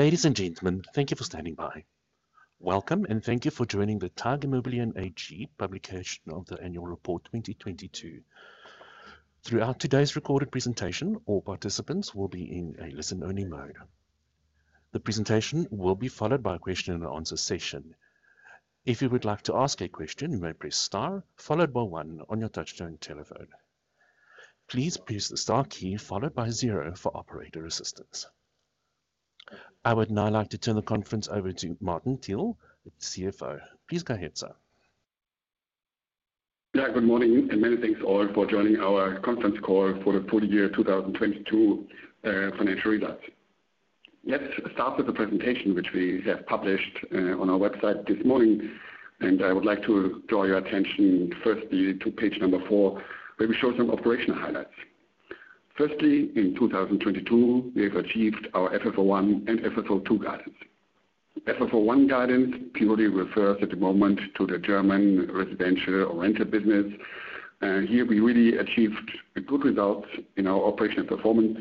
Ladies and gentlemen, thank you for standing by. Welcome and thank you for joining the TAG Immobilien AG publication of the annual report 2022. Throughout today's recorded presentation, all participants will be in a listen-only mode. The presentation will be followed by a question and answer session. If you would like to ask a question, you may press star followed by one on your touchtone telephone. Please press the star key followed by zero for operator assistance. I would now like to turn the conference over to Martin Thiel, the CFO. Please go ahead, sir. Good morning, many thanks all for joining our conference call for the full year 2022 financial results. Let's start with the presentation, which we have published on our website this morning. I would like to draw your attention firstly to page number four, where we show some operational highlights. Firstly, in 2022, we have achieved our FFO I and FFO II guidance. FFO I guidance purely refers at the moment to the German residential or rented business. Here we really achieved a good result in our operational performance,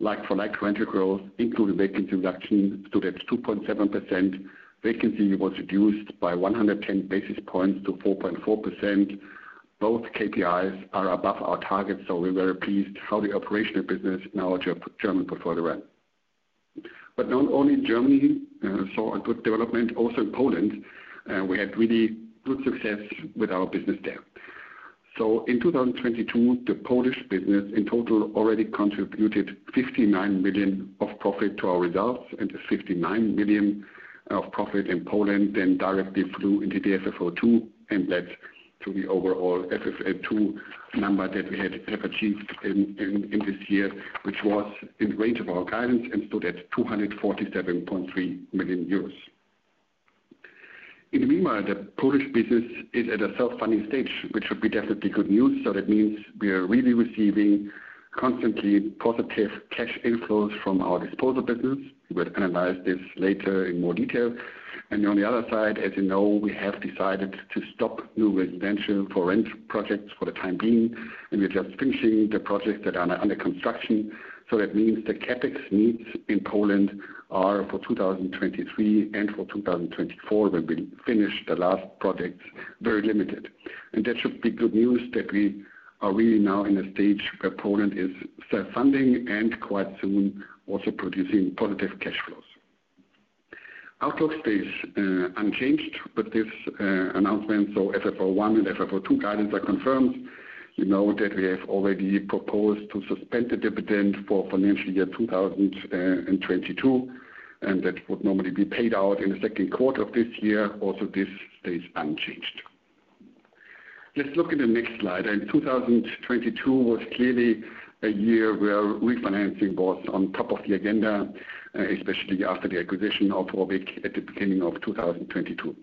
like-for-like rental growth, including vacancy reduction to that 2.7%. Vacancy was reduced by 110 basis points to 4.4%. Both KPIs are above our target, so we're very pleased how the operational business in our German portfolio ran. Not only Germany saw a good development. Also in Poland, we had really good success with our business there. In 2022, the Polish business in total already contributed 59 million of profit to our results. The 59 million of profit in Poland then directly flew into the FFO II and led to the overall FFO II number that we have achieved in this year, which was in range of our guidance and stood at 247.3 million euros. In the meanwhile, the Polish business is at a self-funding stage, which should be definitely good news. That means we are really receiving constantly positive cash inflows from our disposal business. We will analyze this later in more detail. On the other side, as you know, we have decided to stop new residential for rent projects for the time being, and we're just finishing the projects that are under construction. That means the CapEx needs in Poland are for 2023 and for 2024, when we finish the last projects, very limited. That should be good news that we are really now in a stage where Poland is self-funding and quite soon also producing positive cash flows. Outlook stays unchanged with this announcement. FFO I and FFO II guidance are confirmed. You know that we have already proposed to suspend the dividend for financial year 2022, and that would normally be paid out in the second quarter of this year. This stays unchanged. Let's look in the next slide. 2022 was clearly a year where refinancing was on top of the agenda, especially after the acquisition of ROBYG at the beginning of 2022.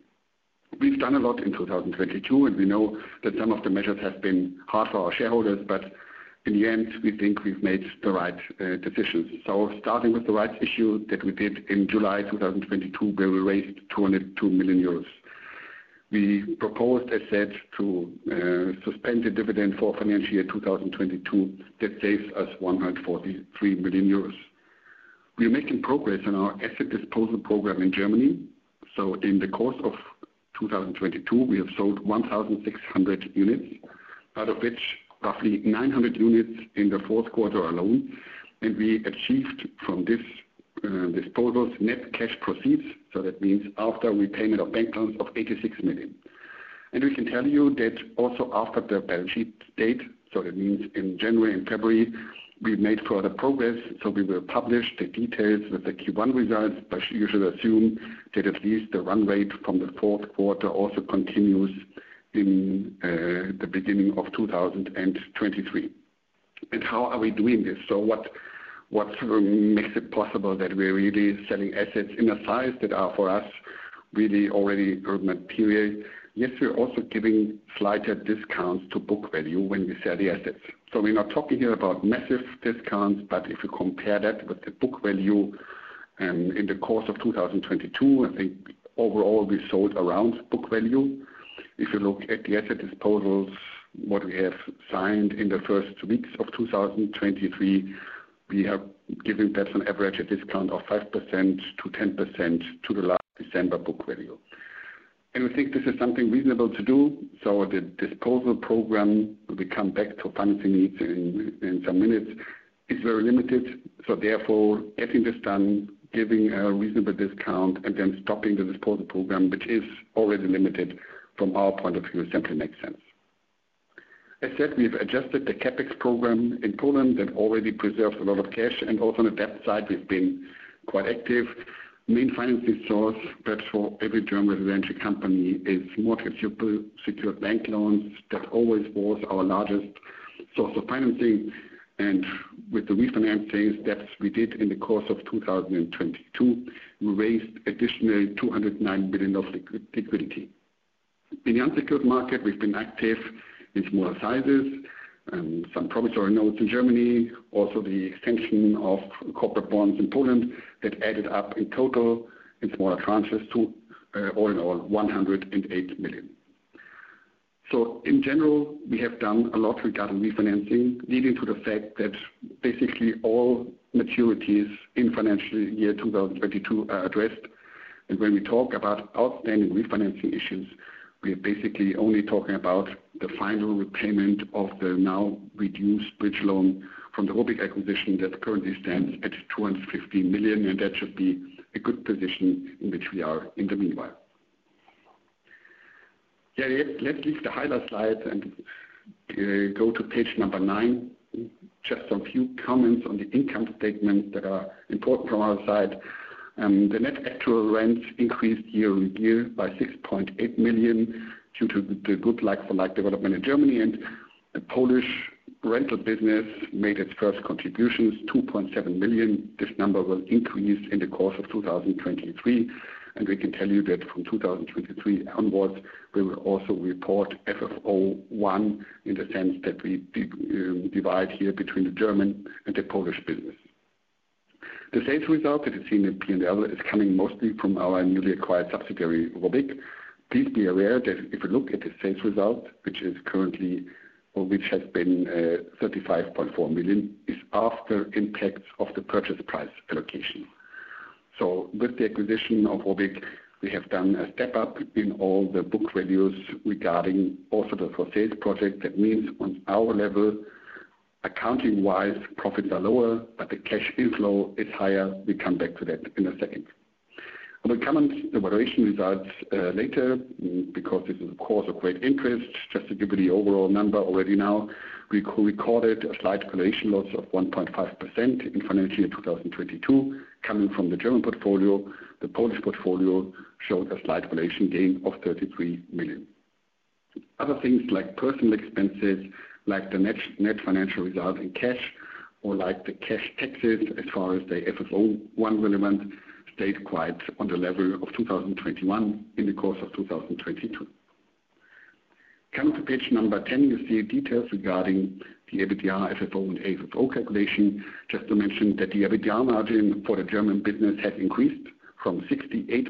We've done a lot in 2022, and we know that some of the measures have been hard for our shareholders, but in the end, we think we've made the right decisions. Starting with the rights issue that we did in July 2022, where we raised 202 million euros. We proposed, as said, to suspend the dividend for financial year 2022. That saves us 143 million euros. We are making progress on our asset disposal program in Germany. In the course of 2022, we have sold 1,600 units, out of which roughly 900 units in the fourth quarter alone. We achieved from this disposals net cash proceeds, so that means after repayment of bank loans of 86 million. We can tell you that also after the balance sheet date, so that means in January and February, we made further progress. We will publish the details with the Q1 results. You should assume that at least the run rate from the fourth quarter also continues in the beginning of 2023. How are we doing this? What makes it possible that we're really selling assets in a size that are, for us, really already material? Yes, we're also giving slighter discounts to book value when we sell the assets. We're not talking here about massive discounts. If you compare that with the book value, in the course of 2022, I think overall we sold around book value. If you look at the asset disposals, what we have signed in the first weeks of 2023, we have given that an average, a discount of 5%-10% to the last December book value. We think this is something reasonable to do. The disposal program, we come back to financing needs in some minutes, is very limited. Getting this done, giving a reasonable discount and then stopping the disposal program, which is already limited from our point of view, simply makes sense. As said, we've adjusted the CapEx program in Poland. That already preserves a lot of cash. On the debt side, we've been quite active. Main financing source, that for every German residential company is mortgageable secured bank loans. That always was our largest source of financing. With the refinancing that we did in the course of 2022, we raised additional 209 million of liquidity. In the unsecured market, we've been active in smaller sizes. Some promissory notes in Germany. Also, the extension of corporate bonds in Poland. That added up in total in smaller tranches to, all in all 108 million. In general, we have done a lot regarding refinancing, leading to the fact that basically all maturities in financial year 2022 are addressed. When we talk about outstanding refinancing issues, we are basically only talking about the final repayment of the now reduced bridge loan from the ROBYG acquisition that currently stands at 250 million, and that should be a good position in which we are in the meanwhile. Let's leave the highlight slide and go to page number nine. A few comments on the income statement that are important from our side. The net actual rents increased year-on-year by 6.8 million due to the good like-for-like development in Germany, and the Polish rental business made its first contributions, 2.7 million. This number will increase in the course of 2023. We can tell you that from 2023 onwards, we will also report FFO I in the sense that we divide here between the German and the Polish business. The sales result that is seen in P&L is coming mostly from our newly acquired subsidiary, ROBYG. Please be aware that if we look at the sales result, which is currently, or which has been, 35.4 million, is after impact of the Purchase Price Allocation. With the acquisition of ROBYG, we have done a step up in all the book reviews regarding also the for sales project. That means on our level, accounting wise, profits are lower, but the cash inflow is higher. We come back to that in a second. I will comment the valuation results later because this is of course of great interest. Just to give you the overall number already now, we recorded a slight valuation loss of 1.5% in financial year 2022 coming from the German portfolio. The Polish portfolio showed a slight valuation gain of 33 million. Other things like personal expenses, like the net financial result in cash or like the cash taxes as far as the FFO I relevant, stayed quite on the level of 2021 in the course of 2022. Coming to page number 10, you see details regarding the EBITDA, FFO, and AFFO calculation. Just to mention that the EBITDA margin for the German business has increased from 68%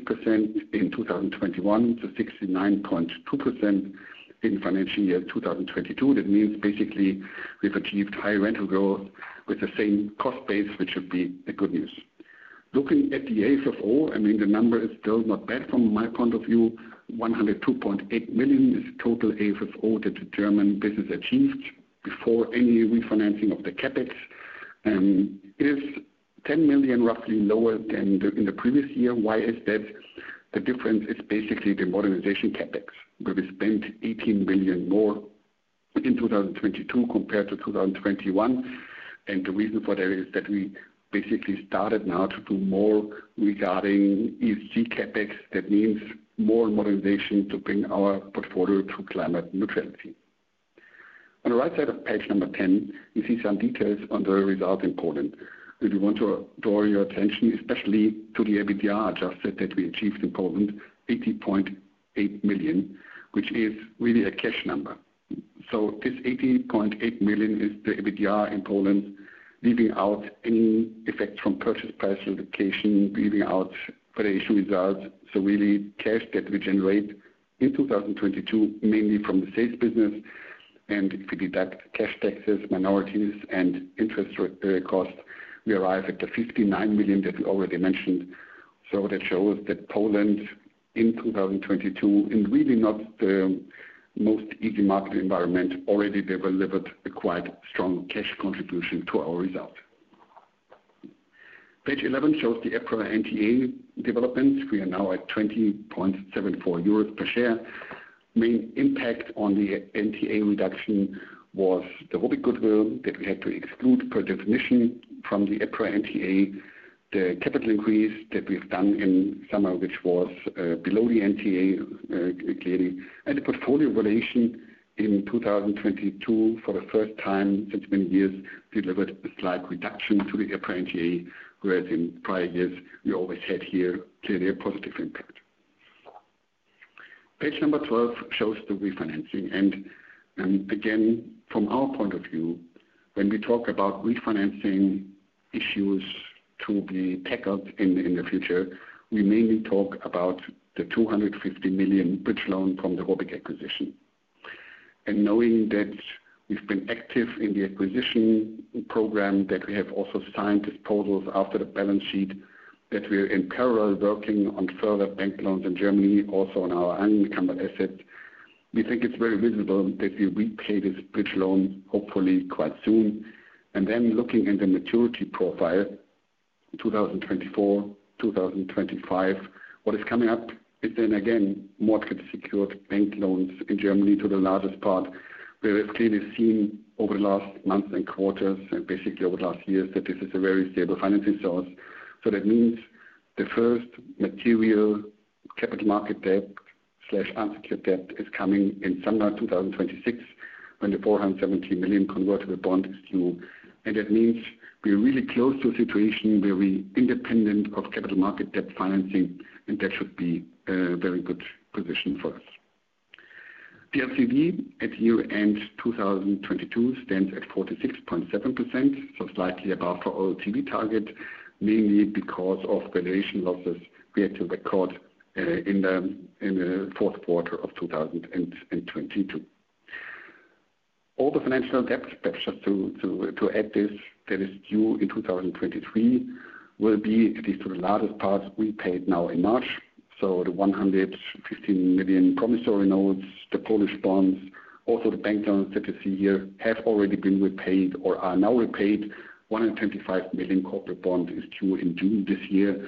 in 2021 to 69.2% in financial year 2022. That means basically we've achieved higher rental growth with the same cost base, which should be a good news. Looking at the AFFO, I mean, the number is still not bad from my point of view. 102.8 million is total AFFO that the German business achieved before any refinancing of the CapEx, is 10 million roughly lower than in the previous year. Why is that? The difference is basically the modernization CapEx, where we spent 18 million more in 2022 compared to 2021. The reason for that is that we basically started now to do more regarding ESG CapEx. That means more modernization to bring our portfolio to climate neutrality. On the right side of page number 10, you see some details on the result in Poland. We do want to draw your attention, especially to the EBITDA adjusted that we achieved in Poland, 80.8 million, which is really a cash number. This 80.8 million is the EBITDA in Poland, leaving out any effect from Purchase Price Allocation, leaving out valuation results. Really cash that we generate in 2022, mainly from the sales business, and if we deduct cash taxes, minorities, and interest cost, we arrive at the 59 million that we already mentioned. That shows that Poland in 2022, in really not the most easy market environment already, they delivered a quite strong cash contribution to our result. Page 11 shows the EPRA NTA developments. We are now at 20.74 euros per share. Main impact on the NTA reduction was the ROBYG goodwill that we had to exclude per definition from the EPRA NTA. The capital increase that we've done in summer, which was below the NTA, clearly, and the portfolio valuation in 2022 for the first time since many years, delivered a slight reduction to the EPRA NTA, whereas in prior years, we always had here clearly a positive impact. Page number 12 shows the refinancing. Again, from our point of view, when we talk about refinancing issues to be tackled in the future, we mainly talk about the 250 million bridge loan from the ROBYG acquisition. Knowing that we've been active in the acquisition program, that we have also signed disposals after the balance sheet, that we are in parallel working on further bank loans in Germany, also on our unencumbered asset, we think it's very reasonable that we repay this bridge loan hopefully quite soon. Looking in the maturity profile, 2024, 2025, what is coming up is then again, mortgage-secured bank loans in Germany to the largest part, where we've clearly seen over the last months and quarters and basically over the last years, that this is a very stable financing source. That means the first material capital market debt/unsecured debt is coming in summer 2026 when the 470 million convertible bond is due. That means we're really close to a situation where we independent of capital market debt financing, and that should be a very good position for us. The LTV at year-end 2022 stands at 46.7%, so slightly above our LTV target, mainly because of valuation losses we had to record, in the fourth quarter of 2022. All the financial debt, perhaps just to add this, that is due in 2023 will be, at least to the largest part, repaid now in March. The 115 million promissory notes, the Polish bonds, also the bank loans that you see here have already been repaid or are now repaid. 125 million corporate bonds is due in June this year.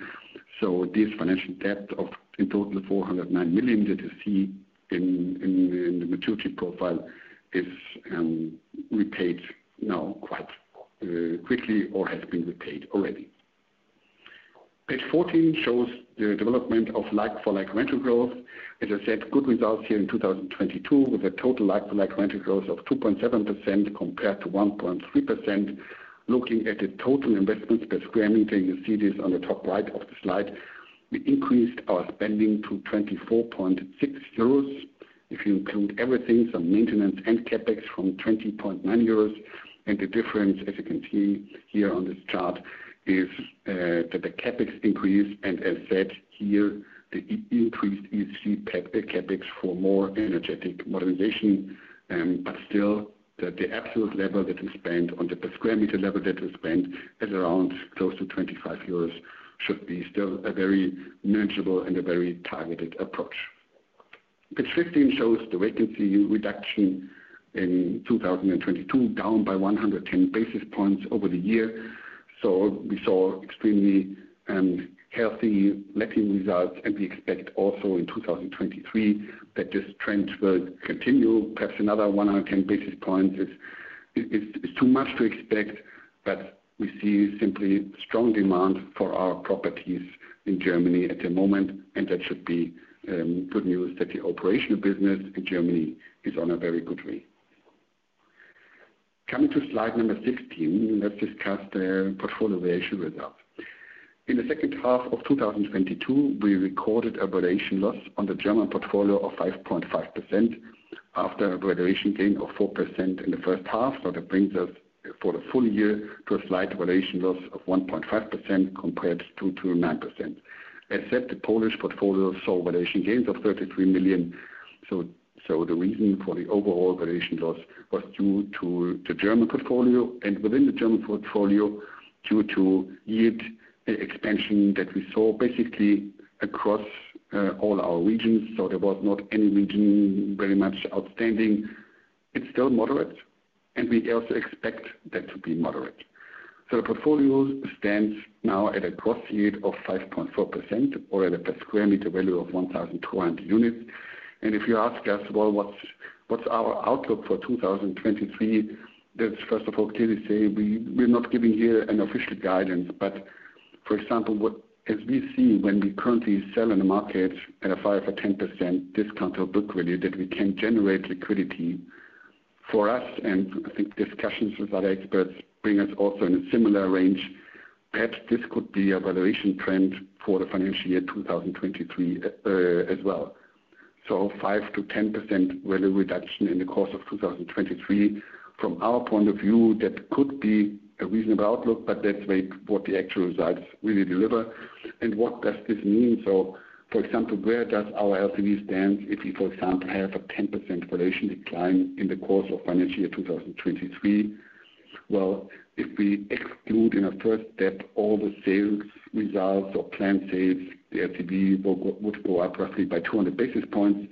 This financial debt of, in total, 409 million that you see in the maturity profile is repaid now quite quickly or has been repaid already. Page 14 shows the development of like-for-like rental growth. As I said, good results here in 2022, with a total like-for-like rental growth of 2.7% compared to 1.3%. Looking at the total investments per square meter, you see this on the top right of the slide. We increased our spending to 24.6 euros. If you include everything, some maintenance and CapEx from 20.9 euros. The difference, as you can see here on this chart, is that the CapEx increased. As said here, the increased you see the CapEx for more energetic modernization. Still the absolute level that we spend on the per square meter level that we spend is around close to 25 euros should be still a very manageable and a very targeted approach. Page 15 shows the vacancy reduction in 2022, down by 110 basis points over the year. We saw extremely healthy letting results, and we expect also in 2023 that this trend will continue. Perhaps another 110 basis points is too much to expect, but we see simply strong demand for our properties in Germany at the moment, and that should be good news that the operational business in Germany is on a very good way. Coming to slide number 16. Let's discuss the portfolio valuation results. In the second half of 2022, we recorded a valuation loss on the German portfolio of 5.5% after a valuation gain of 4% in the first half. That brings us for the full year to a slight valuation loss of 1.5% compared to 2.9%. Except the Polish portfolio saw valuation gains of 33 million. The reason for the overall valuation loss was due to the German portfolio and within the German portfolio, due to yield expansion that we saw basically across all our regions. There was not any region very much outstanding. It's still moderate, and we also expect that to be moderate. The portfolio stands now at a gross yield of 5.4% or at a per square meter value of 1,200. If you ask us, well, what's our outlook for 2023? That's first of all, clearly say we're not giving here an official guidance. For example, what as we see when we currently sell in the market at a 5% or 10% discount to book value, that we can generate liquidity. For us, and I think discussions with other experts bring us also in a similar range. Perhaps this could be a valuation trend for the financial year 2023 as well. 5%-10% value reduction in the course of 2023. From our point of view, that could be a reasonable outlook, but let's wait what the actual results really deliver. What does this mean? For example, where does our LTV stand if we, for example, have a 10% valuation decline in the course of financial year 2023? Well, if we exclude in a first step all the sales results or planned sales, the LTV would go up roughly by 200 basis points.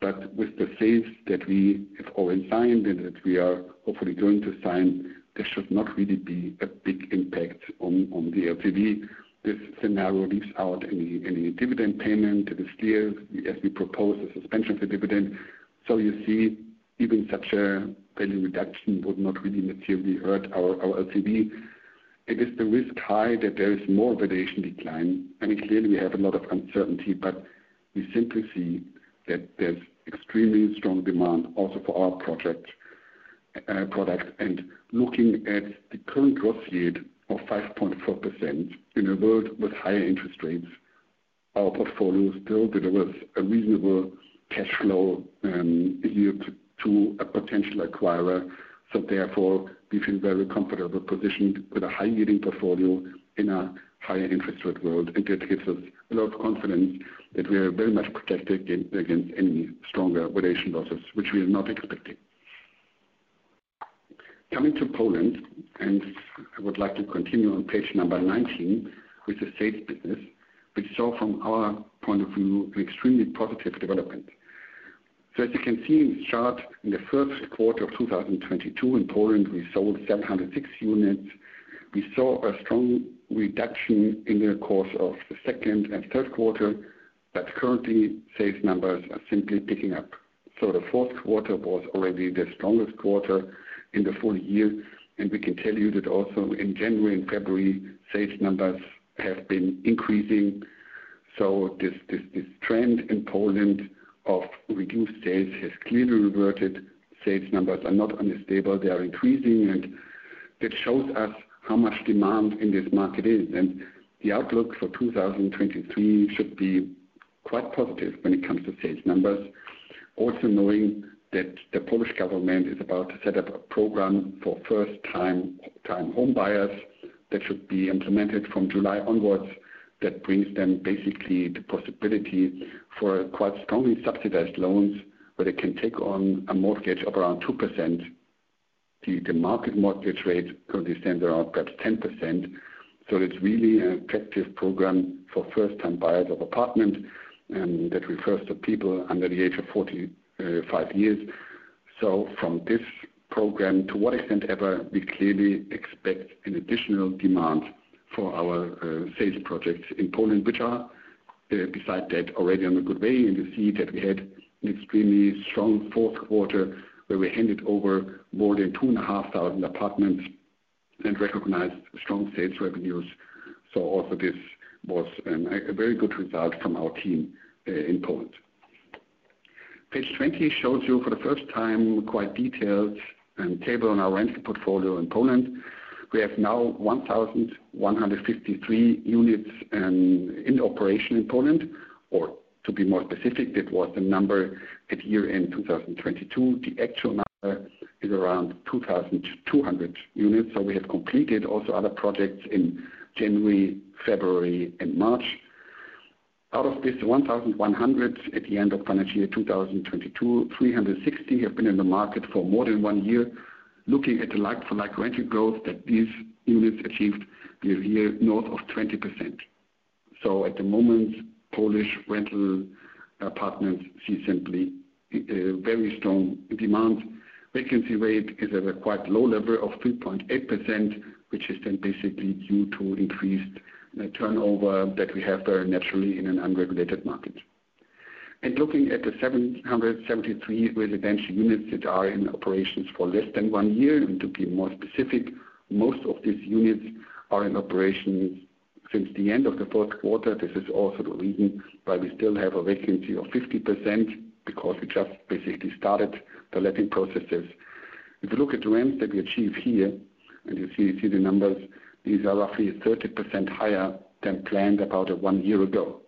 With the sales that we have already signed and that we are hopefully going to sign, there should not really be a big impact on the LTV. This scenario leaves out any dividend payment this year as we propose the suspension for dividend. You see, even such a value reduction would not really materially hurt our LTV. Is the risk high that there is more valuation decline? I mean, clearly we have a lot of uncertainty, but we simply see that there's extremely strong demand also for our project, product. Looking at the current gross yield of 5.4% in a world with higher interest rates, our portfolio still delivers a reasonable cash flow yield to a potential acquirer. Therefore, we feel very comfortable positioned with a high-yielding portfolio in a higher interest rate world. That gives us a lot of confidence that we are very much protected against any stronger valuation losses, which we are not expecting. Coming to Poland, I would like to continue on page number 19 with the sales business, which saw from our point of view, an extremely positive development. As you can see in the chart, in the first quarter of 2022 in Poland, we sold 706 units. We saw a strong reduction in the course of the second and third quarter, but currently sales numbers are simply picking up. The fourth quarter was already the strongest quarter in the full year. We can tell you that also in January and February, sales numbers have been increasing. This trend in Poland of reduced sales has clearly reverted. Sales numbers are not unstable, they are increasing. That shows us how much demand in this market is. The outlook for 2023 should be quite positive when it comes to sales numbers. Knowing that the Polish government is about to set up a program for first time home buyers that should be implemented from July onwards. That brings them basically the possibility for quite strongly subsidized loans, where they can take on a mortgage of around 2%. The market mortgage rate currently stands around perhaps 10%. It's really an attractive program for first time buyers of apartment, and that refers to people under the age of 45 years. From this program, to what extent ever, we clearly expect an additional demand for our sales projects in Poland, which are beside that already on a good way. You see that we had an extremely strong fourth quarter where we handed over more than 2,500 apartments and recognized strong sales revenues. Also this was a very good result from our team in Poland. Page 20 shows you for the first time quite detailed table on our rental portfolio in Poland. We have now 1,153 units in operation in Poland. Or to be more specific, that was the number at year-end 2022. The actual number is around 2,200 units. We have completed also other projects in January, February and March. Out of this 1,100, at the end of financial year 2022, 360 have been in the market for more than one year. Looking at the like-for-like rental growth that these units achieved we're here north of 20%. At the moment, Polish rental apartments see simply very strong demand. Vacancy rate is at a quite low level of 3.8%, which is then basically due to increased turnover that we have there naturally in an unregulated market. Looking at the 773 residential units that are in operations for less than one year, and to be more specific, most of these units are in operation since the end of the fourth quarter. This is also the reason why we still have a vacancy of 50%, because we just basically started the letting processes. If you look at the rents that we achieve here, and you see the numbers, these are roughly 30% higher than planned about one year ago.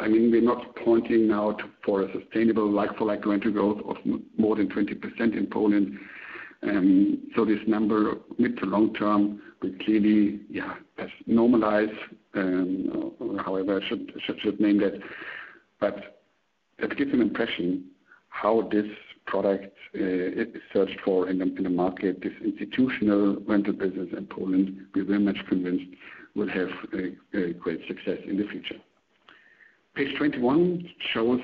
I mean, we're not pointing now to, for a sustainable like-for-like rental growth of more than 20% in Poland. This number mid to long term will clearly, yeah, as normalize, however I should name that. That gives an impression how this product is searched for in the market. This institutional rental business in Poland, we're very much convinced will have a great success in the future. Page 21 shows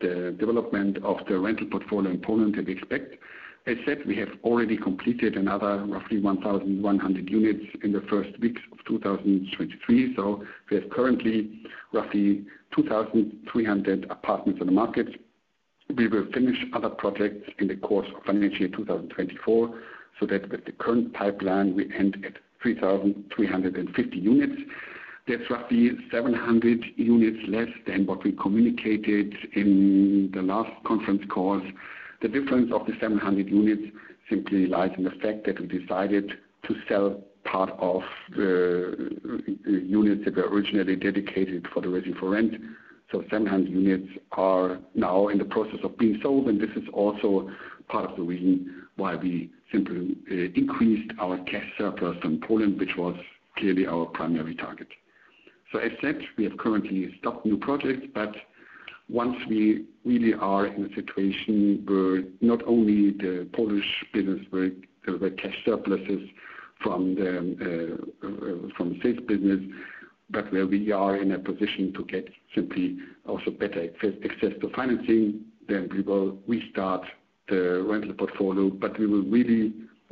the development of the rental portfolio in Poland that we expect. As said, we have already completed another roughly 1,100 units in the first weeks of 2023. We have currently roughly 2,300 apartments on the market. We will finish other projects in the course of financial year 2024, so that with the current pipeline we end at 3,350 units. That's roughly 700 units less than what we communicated in the last conference call. The difference of the 700 units simply lies in the fact that we decided to sell part of the units that were originally dedicated for the Resi4Rent. 700 units are now in the process of being sold, and this is also part of the reason why we simply increased our cash surplus in Poland, which was clearly our primary target. As said, we have currently stopped new projects, but once we really are in a situation where not only the Polish business with the cash surpluses from the sales business, but where we are in a position to get simply also better access to financing, then we will restart the rental portfolio.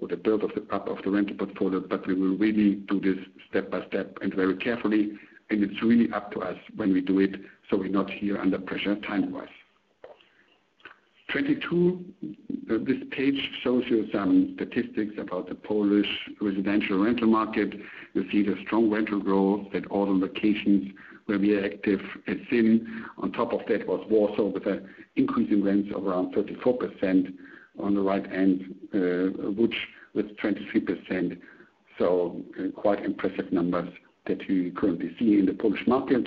The build of the, up of the rental portfolio, but we will really do this step by step and very carefully, and it's really up to us when we do it, so we're not here under pressure time wise. 22. This page shows you some statistics about the Polish residential rental market. You see the strong rental growth at all the locations where we are active. Seen on top of that was Warsaw with a increase in rents of around 34%. On the right end, Lodz with 23%. Quite impressive numbers that you currently see in the Polish market.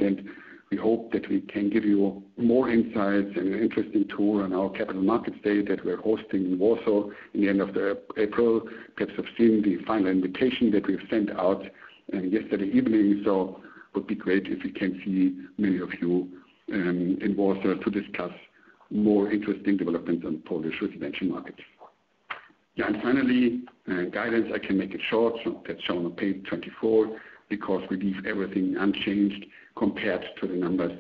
We hope that we can give you more insights and an interesting tour on our capital markets day that we're hosting in Warsaw in the end of the April. Perhaps you've seen the final invitation that we've sent out, yesterday evening. Would be great if we can see many of you, in Warsaw to discuss more interesting developments on Polish residential markets. Finally, guidance. I can make it short, that's shown on page 24, because we leave everything unchanged compared to the numbers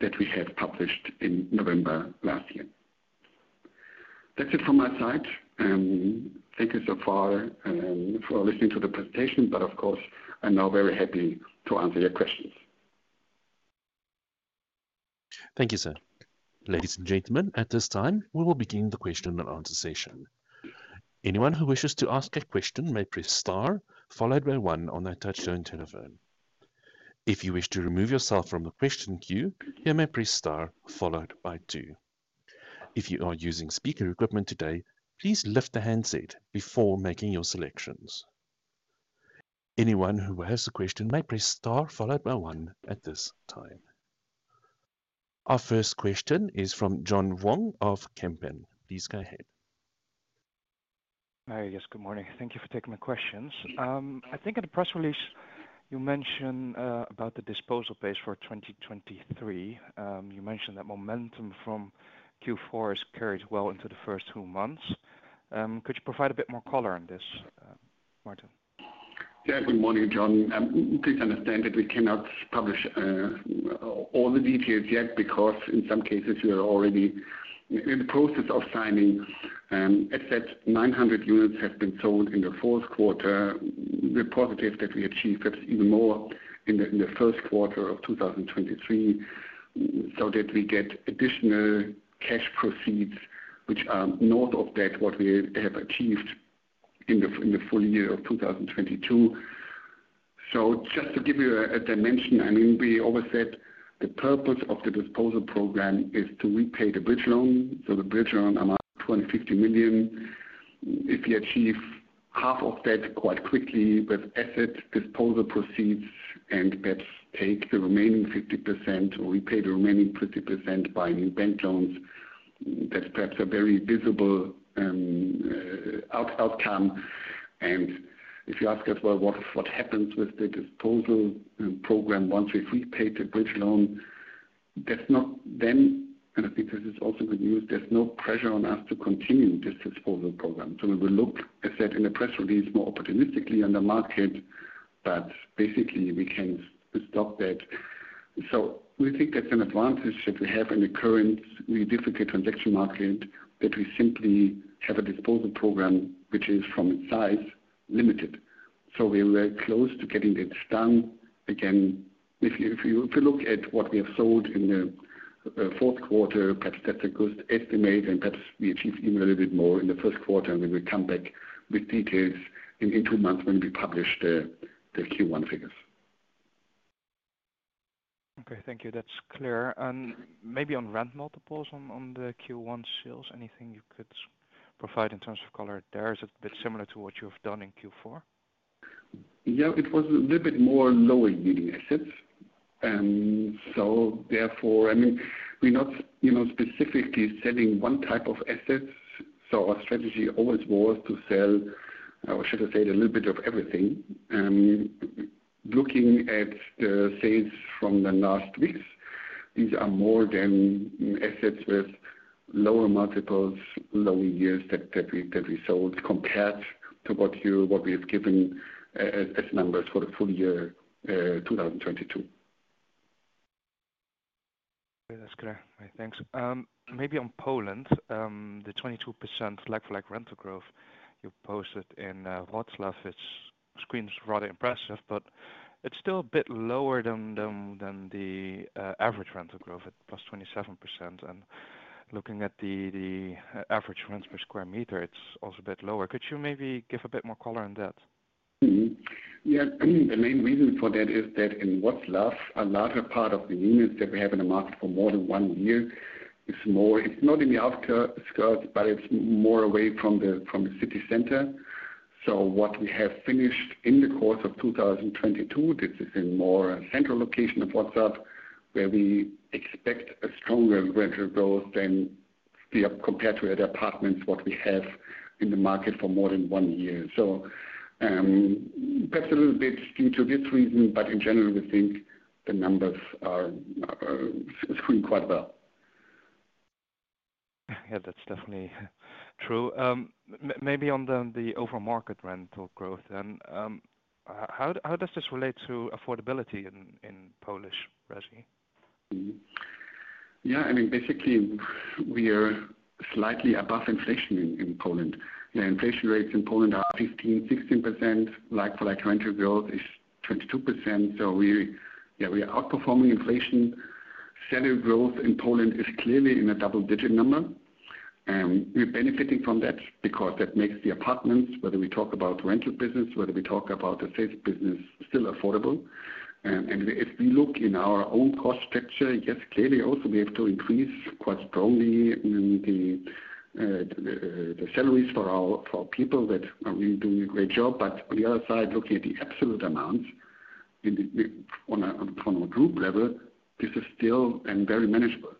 that we had published in November last year. That's it from my side. Thank you so far, for listening to the presentation. Of course I'm now very happy to answer your questions. Thank you, sir. Ladies and gentlemen, at this time we will begin the question and answer session. Anyone who wishes to ask a question may press star followed by one on their touchtone telephone. If you wish to remove yourself from the question queue, you may press star followed by two. If you are using speaker equipment today, please lift the handset before making your selections. Anyone who has a question may press star followed by one at this time. Our first question is from John Vuong of Kempen. Please go ahead. Hi. Yes, good morning. Thank you for taking my questions. I think in the press release- You mentioned about the disposal base for 2023. You mentioned that momentum from Q4 has carried well into the first two months. Could you provide a bit more color on this, Martin? Yeah. Good morning, John. Please understand that we cannot publish all the details yet, because in some cases, we are already in the process of signing. As said, 900 units have been sold in the fourth quarter. We're positive that we achieved that even more in the first quarter of 2023, that we get additional cash proceeds which are north of that, what we have achieved in the full year of 2022. Just to give you a dimension, I mean, we always said the purpose of the disposal program is to repay the bridge loan. The bridge loan amount, 250 million. If we achieve half of that quite quickly with asset disposal proceeds, and perhaps take the remaining 50%, or repay the remaining 50% by new bank loans, that's perhaps a very visible, out-outcome. If you ask us, well, what happens with the disposal program once we've repaid the bridge loan? That's not then... I think this is also good news. There's no pressure on us to continue this disposal program. We will look, as said in the press release, more opportunistically on the market. Basically we can stop that. We think that's an advantage that we have in the current really difficult transaction market, that we simply have a disposal program which is from its size, limited. We're very close to getting this done. Again, if you look at what we have sold in the fourth quarter, perhaps that's a good estimate, and perhaps we achieve even a little bit more in the first quarter and we will come back with details in two months when we publish the Q1 figures. Thank you. That's clear. Maybe on rent multiples on the Q1 sales, anything you could provide in terms of color there? Is it a bit similar to what you've done in Q4? It was a little bit more lower yielding assets. Therefore, I mean, we're not, you know, specifically selling one type of assets. Our strategy always was to sell, or should I say, a little bit of everything. Looking at the sales from the last weeks, these are more than assets with lower multiples, lower yields that we sold compared to what we have given as numbers for the full year 2022. Okay, that's clear. All right, thanks. Maybe on Poland, the 22% like-for-like rental growth you posted in Wroclaw screens rather impressive, but it's still a bit lower than the average rental growth at +27%. Looking at the average rents per square meter, it's also a bit lower. Could you maybe give a bit more color on that? Yeah, I mean, the main reason for that is that in Wroclaw, a larger part of the units that we have in the market for more than one year is not in the outskirts, but it's more away from the city center. What we have finished in the course of 2022, this is in more central location of Wroclaw, where we expect a stronger rental growth than compared to the apartments, what we have in the market for more than one year. Perhaps a little bit due to this reason, but in general, we think the numbers are doing quite well. Yeah, that's definitely true. Maybe on the over market rental growth then, how does this relate to affordability in Polish, resi? I mean, basically we are slightly above inflation in Poland. The inflation rates in Poland are 15%-16%. like-for-like rental growth is 22%. We, yeah, we are outperforming inflation. Salary growth in Poland is clearly in a double-digit number, and we're benefiting from that because that makes the apartments, whether we talk about rental business, whether we talk about the sales business, still affordable. If we look in our own cost structure, yes, clearly also we have to increase quite strongly the salaries for our, for our people that are really doing a great job. On the other side, looking at the absolute amounts on a group level, this is still and very manageable.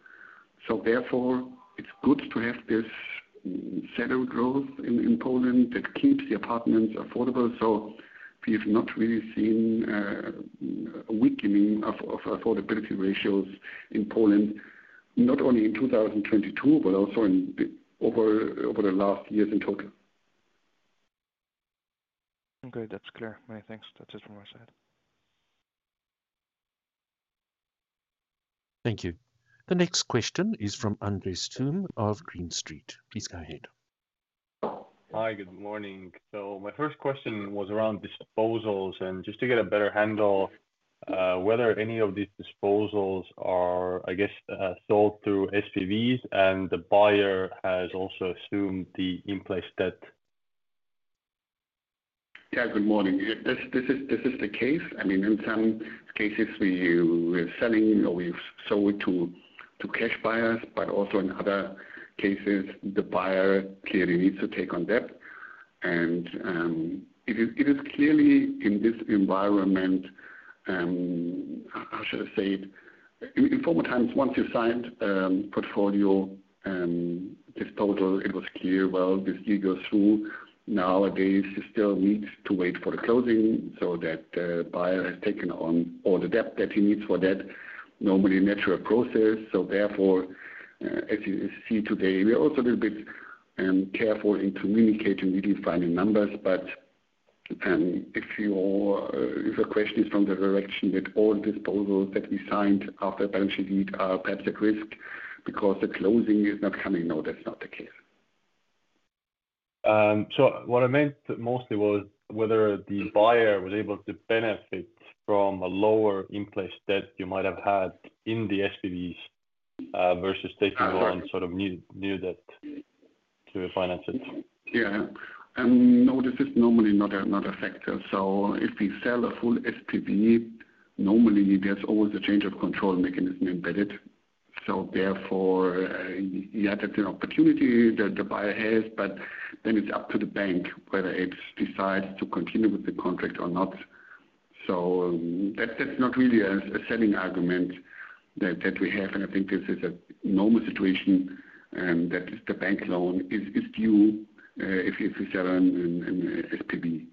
It's good to have this salary growth in Poland that keeps the apartments affordable. We've not really seen a weakening of affordability ratios in Poland, not only in 2022, but also over the last years in total. Okay. That's clear. Many thanks. That's it from my side. Thank you. The next question is from Andres Toome of Green Street. Please go ahead. Hi. Good morning. My first question was around disposals and just to get a better handle, whether any of these disposals are, I guess, sold through SPVs and the buyer has also assumed the in-place debt. Yeah. Good morning. This is the case. I mean in some cases we're selling or we've sold to cash buyers, but also in other cases the buyer clearly needs to take on debt. It is clearly in this environment. How should I say it? In former times, once you signed portfolio, this total, it was clear, well, this deal goes through. Nowadays, you still need to wait for the closing so that the buyer has taken on all the debt that he needs for that. Normally natural process. Therefore, as you see today, we are also a little bit careful in communicating really final numbers. If your question is from the direction that all disposals that we signed after balance sheet are perhaps at risk because the closing is not coming, no, that's not the case. What I meant mostly was whether the buyer was able to benefit from a lower in-place debt you might have had in the SPVs, versus taking on sort of new debt to finance it. Yeah. No, this is normally not a factor. If we sell a full SPV, normally there's always a change of control mechanism embedded. Therefore, you have that an opportunity that the buyer has, but then it's up to the bank whether it decides to continue with the contract or not. That's not really a selling argument that we have. I think this is a normal situation that the bank loan is due if we sell an SPV.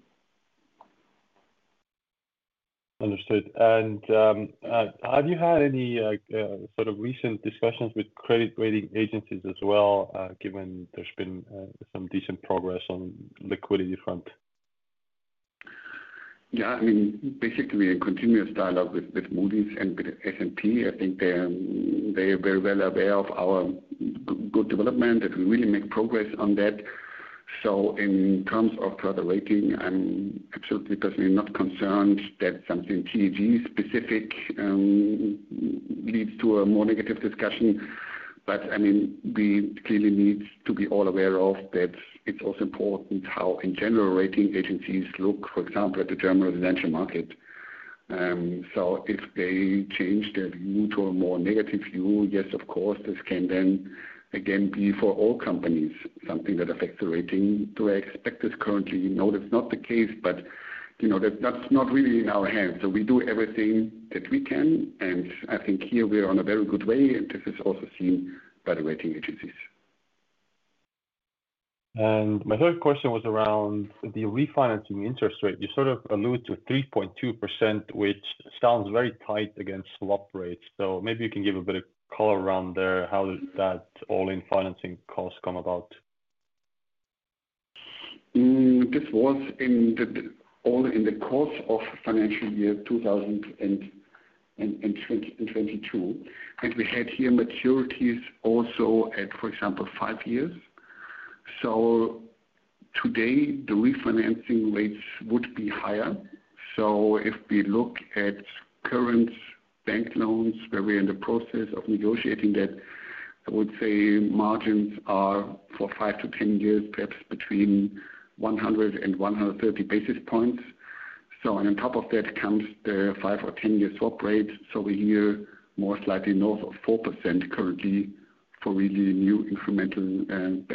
Have you had any sort of recent discussions with credit rating agencies as well, given there's been some decent progress on liquidity front? Yeah. I mean, basically a continuous dialogue with Moody's and with S&P. I think they're, they are very well aware of our good development, that we really make progress on that. In terms of further rating, I'm absolutely personally not concerned that something TAG specific leads to a more negative discussion. I mean, we clearly need to be all aware of that it's also important how in general rating agencies look, for example, at the German residential market. If they change their view to a more negative view, yes, of course, this can then again be for all companies, something that affects the rating. Do I expect this currently? No, that's not the case. You know, that's not really in our hands. We do everything that we can, and I think here we are on a very good way, and this is also seen by the rating agencies. My third question was around the refinancing interest rate. You sort of alluded to 3.2%, which sounds very tight against swap rates. Maybe you can give a bit of color around there. How does that all-in financing cost come about? This was all in the course of financial year 2022. We had here maturities also at, for example, five years. Today the refinancing rates would be higher. If we look at current bank loans where we're in the process of negotiating that, I would say margins are for 5-10 years, perhaps between 100-130 basis points. On top of that comes the five or 10-year swap rate. We hear more slightly north of 4% currently for really new incremental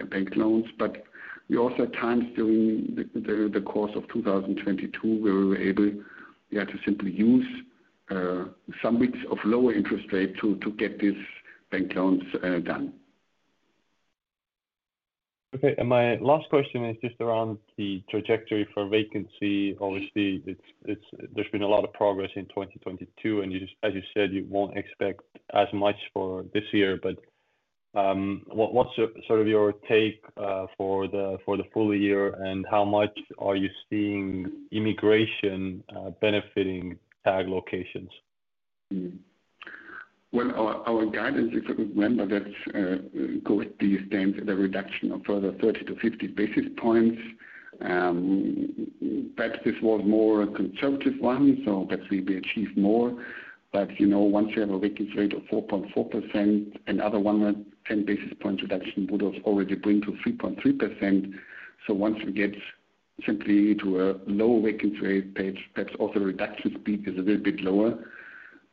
bank loans. We also had times during the course of 2022 where we were able to simply use some bits of lower interest rate to get these bank loans done. Okay. My last question is just around the trajectory for vacancy. Obviously, it's there's been a lot of progress in 2022, and you as you said, you won't expect as much for this year. What's sort of your take for the full year, and how much are you seeing immigration benefiting TAG locations? Our guidance, if I remember that correctly, stands at a reduction of further 30-50 basis points. Perhaps this was more a conservative one, perhaps we achieve more. You know, once you have a vacancy rate of 4.4%, another one or 10 basis point reduction would have already bring to 3.3%. Once we get simply to a lower vacancy rate page, perhaps also reduction speed is a little bit lower.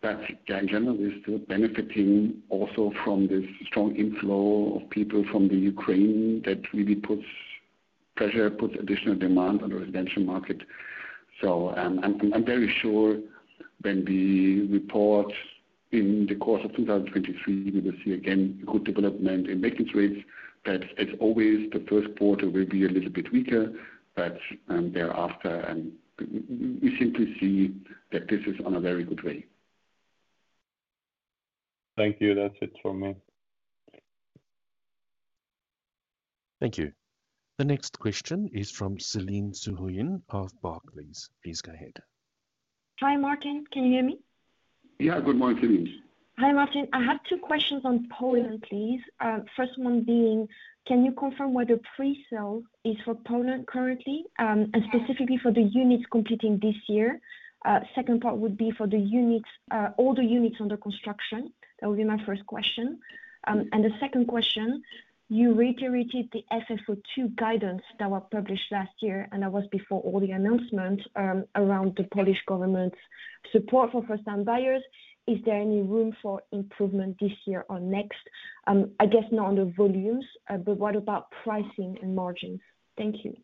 In general, we're still benefiting also from this strong inflow of people from Ukraine that really puts pressure, puts additional demand on the residential market. I'm very sure when we report in the course of 2023, we will see again good development in vacancy rates. Perhaps as always, the first quarter will be a little bit weaker, but, thereafter, we simply see that this is on a very good way. Thank you. That's it from me. Thank you. The next question is from Céline Soo-Huynh of Barclays. Please go ahead. Hi, Martin. Can you hear me? Yeah. Good morning, Céline. Hi, Martin. I have two questions on Poland, please. First one being, can you confirm whether pre-sale is for Poland currently, and specifically for the units completing this year? Second part would be for all the units under construction. That would be my first question. The second question, you reiterated the FFO II guidance that was published last year, and that was before all the announcements around the Polish government's support for first-time buyers. Is there any room for improvement this year or next? I guess not on the volumes, but what about pricing and margins? Thank you.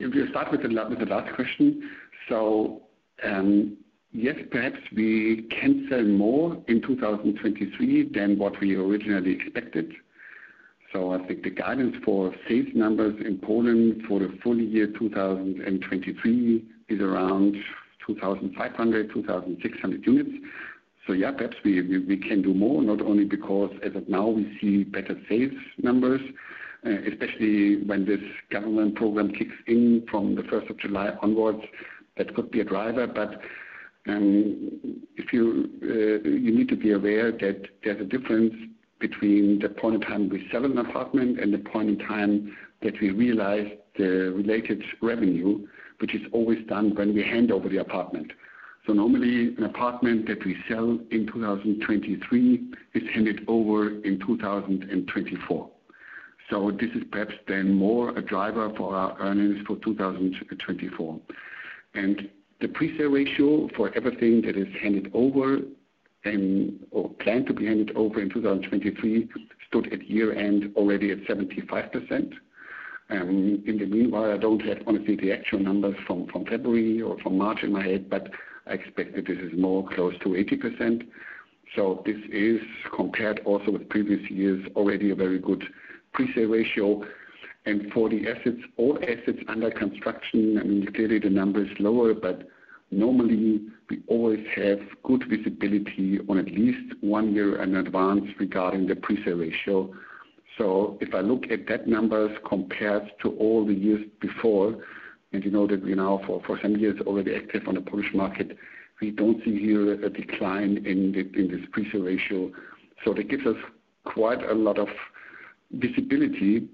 If we start with the last question. Yes, perhaps we can sell more in 2023 than what we originally expected. I think the guidance for sales numbers in Poland for the full year 2023 is around 2,500, 2,600 units. Perhaps we can do more, not only because as of now we see better sales numbers, especially when this government program kicks in from the first of July onwards. That could be a driver. If you need to be aware that there's a difference between the point in time we sell an apartment and the point in time that we realize the related revenue, which is always done when we hand over the apartment. Normally, an apartment that we sell in 2023 is handed over in 2024. This is perhaps then more a driver for our earnings for 2024. The pre-sale ratio for everything that is handed over and/or planned to be handed over in 2023 stood at year-end already at 75%. In the meanwhile, I don't have honestly the actual numbers from February or from March in my head, but I expect that this is more close to 80%. This is compared also with previous years, already a very good pre-sale ratio. For the assets, all assets under construction, I mean, clearly the number is lower, but normally we always have good visibility on at least one year in advance regarding the pre-sale ratio. If I look at that numbers compared to all the years before, and you know that we now for some years already active on the Polish market, we don't see here a decline in the, in this pre-sale ratio. That gives us quite a lot of visibility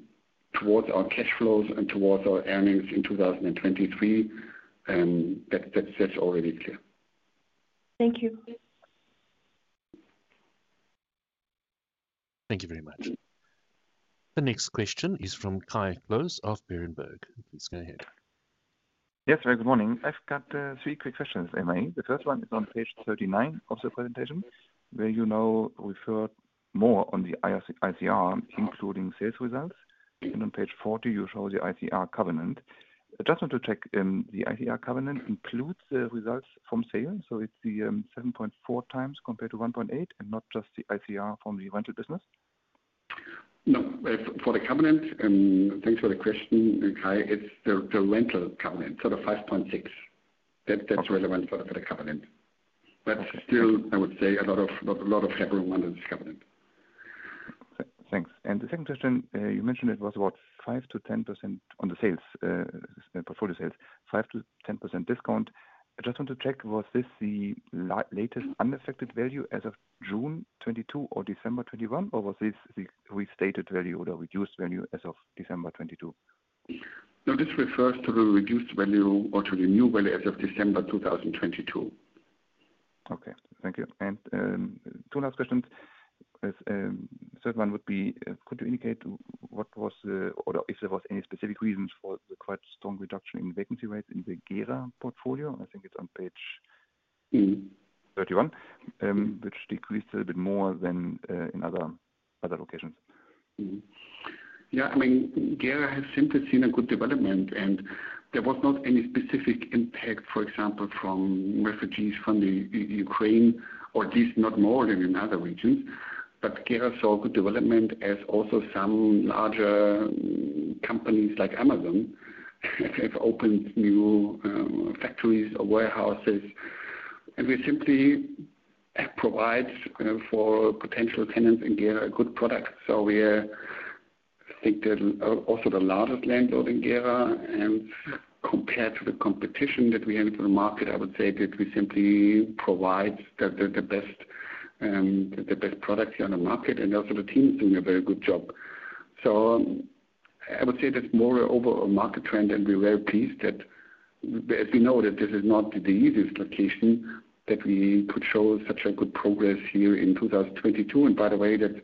towards our cash flows and towards our earnings in 2023. That's already clear. Thank you. Thank you very much. The next question is from Kai Klose of Berenberg. Please go ahead. Yes, very good morning. I've got three quick questions, Amy. The first one is on page 39 of the presentation, where you now refer more on the ICR, including sales results. On page 40, you show the ICR covenant. Just want to check, the ICR covenant includes the results from sales, so it's the 7.4x compared to 1.8 and not just the ICR from the rental business? No. For the covenant, thanks for the question, Kai. It's the rental covenant, so the 5.6. That's relevant for the covenant. Still, I would say a lot of headroom under this covenant. Thanks. The second question, you mentioned it was about 5%-10% on the sales, the portfolio sales, 5%-10% discount. I just want to check, was this the latest unaffected value as of June 2022 or December 2021, or was this the restated value or the reduced value as of December 2022? No, this refers to the reduced value or to the new value as of December 2022. Okay, thank you. Two last questions. Third one would be, could you indicate Or if there was any specific reasons for the quite strong reduction in vacancy rates in the Gera portfolio? I think it's on page- Mm-hmm. 31. Which decreased a bit more than, in other locations. Yeah. I mean, Gera has simply seen a good development, and there was not any specific impact, for example, from refugees from Ukraine, or at least not more than in other regions. Gera saw good development as also some larger companies like Amazon have opened new factories or warehouses. We simply have provided for potential tenants in Gera a good product. We're, I think the also the largest landlord in Gera. Compared to the competition that we have in the market, I would say that we simply provide the best products here on the market. Also the team is doing a very good job. I would say that's more over a market trend, and we're very pleased that, as we know, that this is not the easiest location that we could show such a good progress here in 2022. By the way, that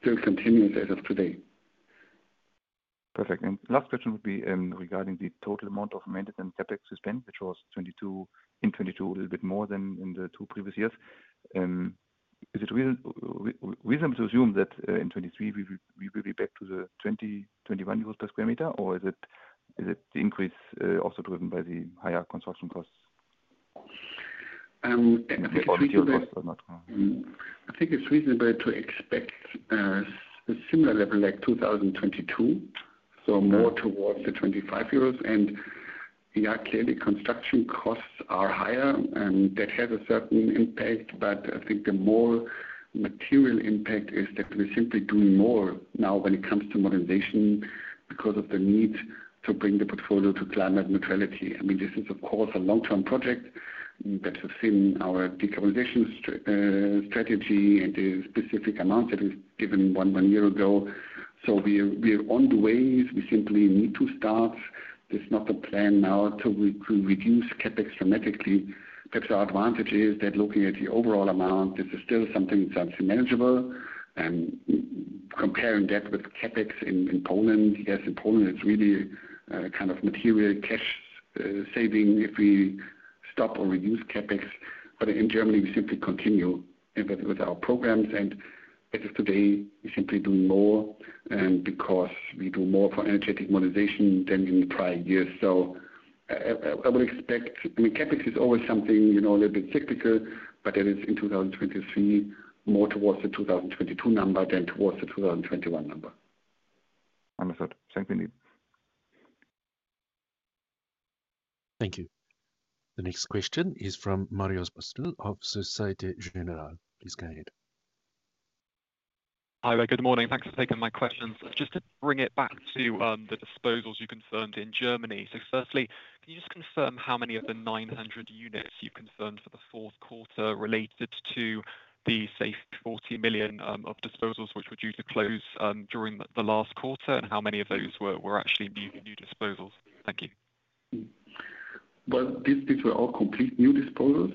still continues as of today. Perfect. Last question would be regarding the total amount of maintenance CapEx you spent, which was in 2022 a little bit more than in the two previous years. Is it wisdom to assume that in 2023 we will be back to the 20, 21 euros per square meter, or is it the increase also driven by the higher construction costs? I think it's reasonable-. Material costs or not. I think it's reasonable to expect similar level like 2022. More towards the 25 euros. Yeah, clearly construction costs are higher, and that has a certain impact. I think the more material impact is that we're simply doing more now when it comes to modernization because of the need to bring the portfolio to climate neutrality. I mean, this is of course a long-term project that you've seen our decarbonization strategy and the specific amount that we've given one year ago. We're on the ways. We simply need to start. There's not a plan now to re-reduce CapEx dramatically. Perhaps our advantage is that looking at the overall amount, this is still something that's manageable. Comparing that with CapEx in Poland. In Poland, it's really kind of material cash saving if we stop or reduce CapEx. In Germany we simply continue with our programs. As of today, we simply do more, and because we do more for energetic modernization than in the prior years. I will expect, I mean, CapEx is always something, you know, a little bit cyclical, but it is in 2023 more towards the 2022 number than towards the 2021 number. Understood. Thank you, Kai. Thank you. The next question is from Marios Pastou of Société Générale. Please go ahead. Hi there. Good morning. Thanks for taking my questions. Just to bring it back to the disposals you confirmed in Germany. Firstly, can you just confirm how many of the 900 units you confirmed for the fourth quarter related to the say 40 million of disposals which were due to close during the last quarter? And how many of those were actually new disposals? Thank you. Well, these were all complete new disposals,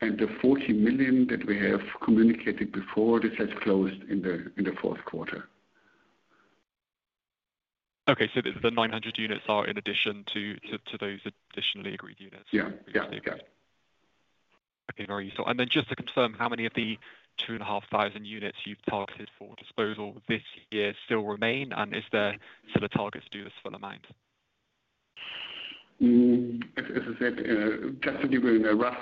and the 40 million that we have communicated before, this has closed in the, in the fourth quarter. Okay. The 900 units are in addition to those additionally agreed units. Yeah. Yeah. Yeah. Okay. Very useful. Just to confirm, how many of the 2,500 units you've targeted for disposal this year still remain, and is there still a target to do this full amount? As I said, just to give you a rough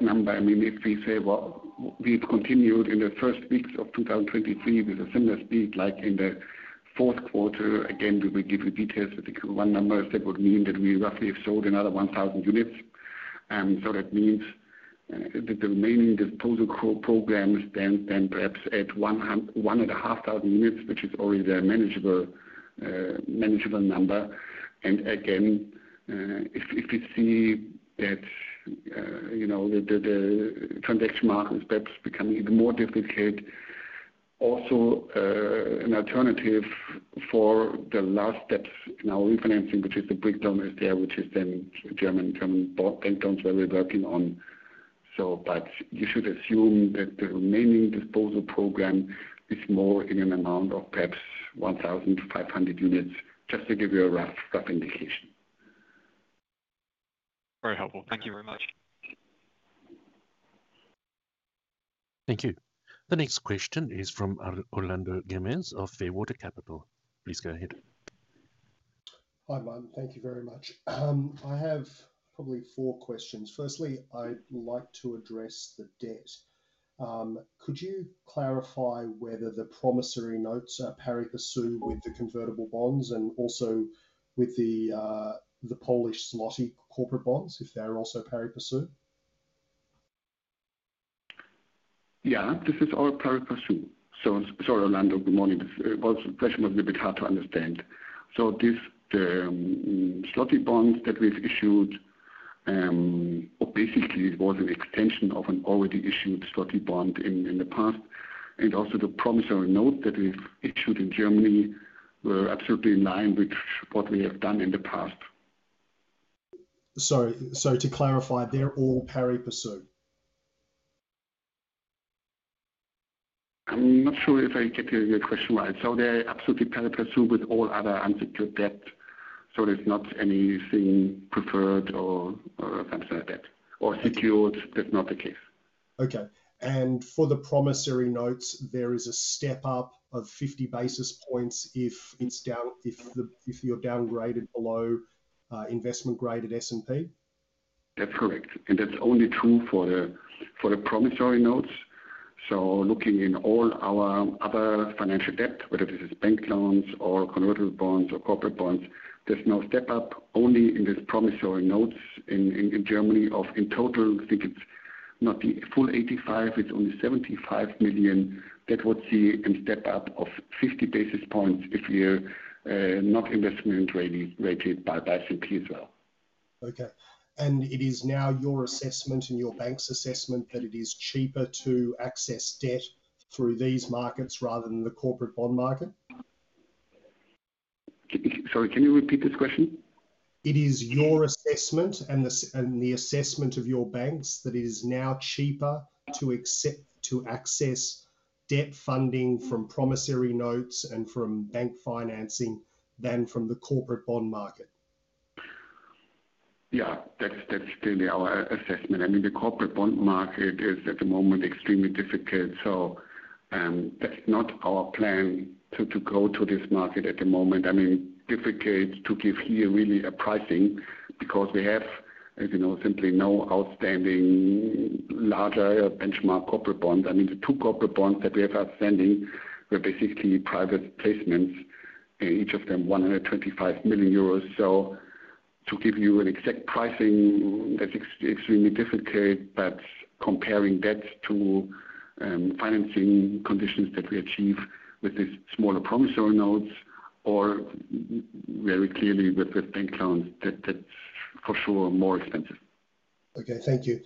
number, I mean, if we say, well, we've continued in the first weeks of 2023 with a similar speed like in the fourth quarter, again, we will give you details with the Q1 numbers. That would mean that we roughly have sold another 1,000 units. That means the remaining disposal programs stand perhaps at 1,500 units, which is already a manageable number. Again, if we see that, you know, the transaction market is perhaps becoming even more difficult, also, an alternative for the last steps in our refinancing, which is the breakdown is there, which is then German bank loans where we're working on. You should assume that the remaining disposal program is more in an amount of perhaps 1,000-500 units, just to give you a rough indication. Very helpful. Thank you very much. Thank you. The next question is from Orlando Gemes of Fairwater Capital. Please go ahead. Hi, Martin. Thank you very much. I have probably four questions. Firstly, I'd like to address the debt. Could you clarify whether the promissory notes are pari passu with the convertible bonds and also with the Polish zloty corporate bonds, if they're also pari passu? Yeah. This is all pari passu. Sorry, Orlando, good morning. This question was a little bit hard to understand. This zloty bonds that we've issued, or basically it was an extension of an already issued zloty bond in the past. Also the promissory note that we've issued in Germany were absolutely in line with what we have done in the past. Sorry. To clarify, they're all pari passu? I'm not sure if I get your question right. They're absolutely pari passu with all other unsecured debt, so there's not anything preferred or something like that, or secured. That's not the case. Okay. For the promissory notes, there is a step up of 50 basis points if you're downgraded below investment grade at S&P? That's correct. That's only true for the, for the promissory notes. Looking in all our other financial debt, whether this is bank loans or convertible bonds or corporate bonds, there's no step up. Only in this promissory notes in, in Germany of in total, I think it's not the full 85, it's only 75 million that would see a step up of 50 basis points if we're not investment rated by S&P as well. Okay. It is now your assessment and your bank's assessment that it is cheaper to access debt through these markets rather than the corporate bond market? Sorry, can you repeat this question? It is your assessment and the assessment of your banks that it is now cheaper to access debt funding from promissory notes and from bank financing than from the corporate bond market. Yeah. That's clearly our assessment. I mean, the corporate bond market is at the moment extremely difficult. That's not our plan to go to this market at the moment. I mean, difficult to give here really a pricing because we have, as you know, simply no outstanding larger benchmark corporate bond. I mean, the two corporate bonds that we have outstanding were basically private placements, each of them 125 million euros. To give you an exact pricing, that's extremely difficult. Comparing that to financing conditions that we achieve with these smaller promissory notes or very clearly with the bank loans, that's for sure more expensive. Okay. Thank you.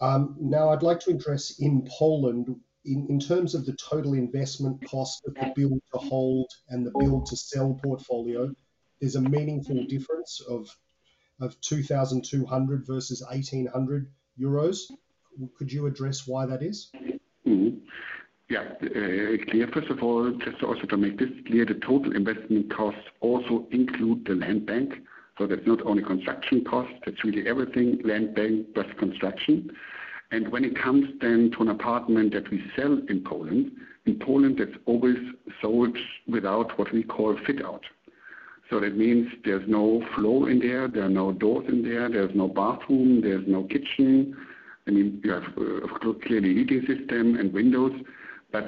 Now I'd like to address in Poland, in terms of the total investment cost of the build to hold and the build to sell portfolio, there's a meaningful difference of 2,200 versus 1,800 euros. Could you address why that is? Clear. First of all, just also to make this clear, the total investment costs also include the land bank. That's not only construction costs, that's really everything, land bank plus construction. When it comes then to an apartment that we sell in Poland, that's always sold without what we call fit out. That means there's no floor in there are no doors in there's no bathroom, there's no kitchen. I mean, you have of course, clearly heating system and windows.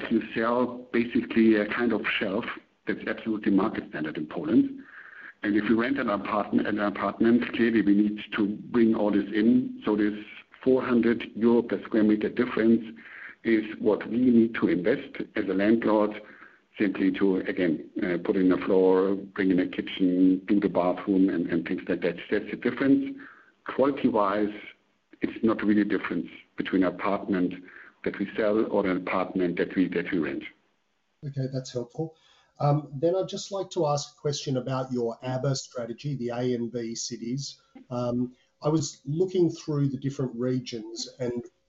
You sell basically a kind of shelf that's absolutely market standard in Poland. If we rent an apartment, clearly we need to bring all this in. This 400 euro per square meter difference is what we need to invest as a landlord simply to, again, put in a floor, bring in a kitchen, do the bathroom, and things like that. That's the difference. Quality-wise, it's not really a difference between apartment that we sell or an apartment that we, that we rent. Okay, that's helpful. I'd just like to ask a question about your ABA strategy, the A and B cities. I was looking through the different regions,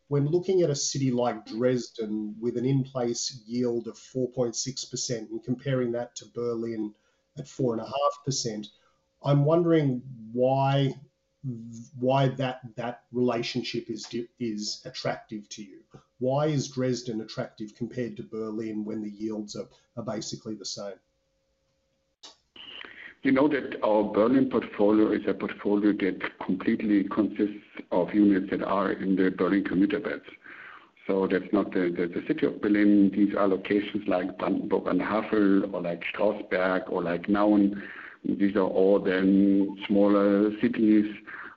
when looking at a city like Dresden with an in-place yield of 4.6% and comparing that to Berlin at 4.5%, I'm wondering why that relationship is attractive to you. Why is Dresden attractive compared to Berlin when the yields are basically the same? You know that our Berlin portfolio is a portfolio that completely consists of units that are in the Berlin commuter belts. That's not the city of Berlin. These are locations like Brandenburg an der Havel or like Strausberg or like Nauen. These are all then smaller cities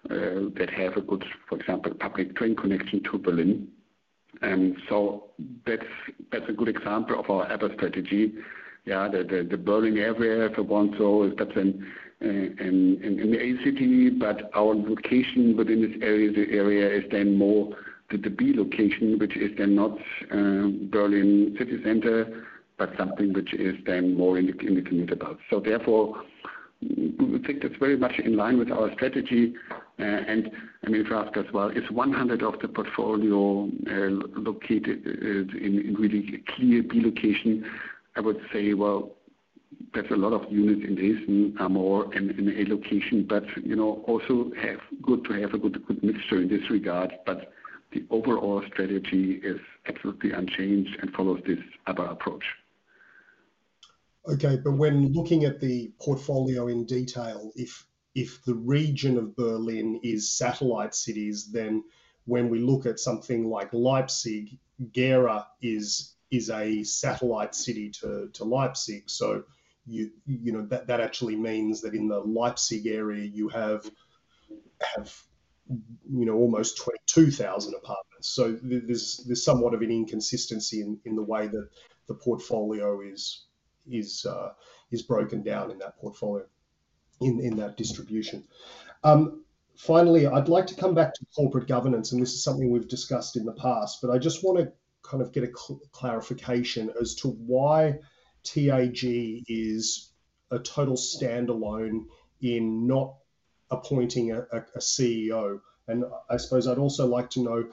that have a good, for example, public train connection to Berlin. That's a good example of our ABA strategy. Yeah. The Berlin area, for one, that's an A city. Our location within this area, the area is then more the B location, which is then not Berlin city center, but something which is then more in the commuter belt. Therefore, we think that's very much in line with our strategy. I mean, if you ask us, well, is 100 of the portfolio located in really key B location, I would say, well, there's a lot of units in Hesse are more in A location. You know, also have good to have a good mixture in this regard. The overall strategy is absolutely unchanged and follows this ABA approach. But when looking at the portfolio in detail, if the region of Berlin is satellite cities, then when we look at something like Leipzig, Gera is a satellite city to Leipzig. So you know, that actually means that in the Leipzig area you have, you know, almost 2,000 apartments. There's somewhat of an inconsistency in the way that the portfolio is broken down in that portfolio, in that distribution. Finally, I'd like to come back to corporate governance, and this is something we've discussed in the past. But I just wanna kind of get a clarification as to why TAG is a total standalone in not appointing a CEO. I suppose I'd also like to know,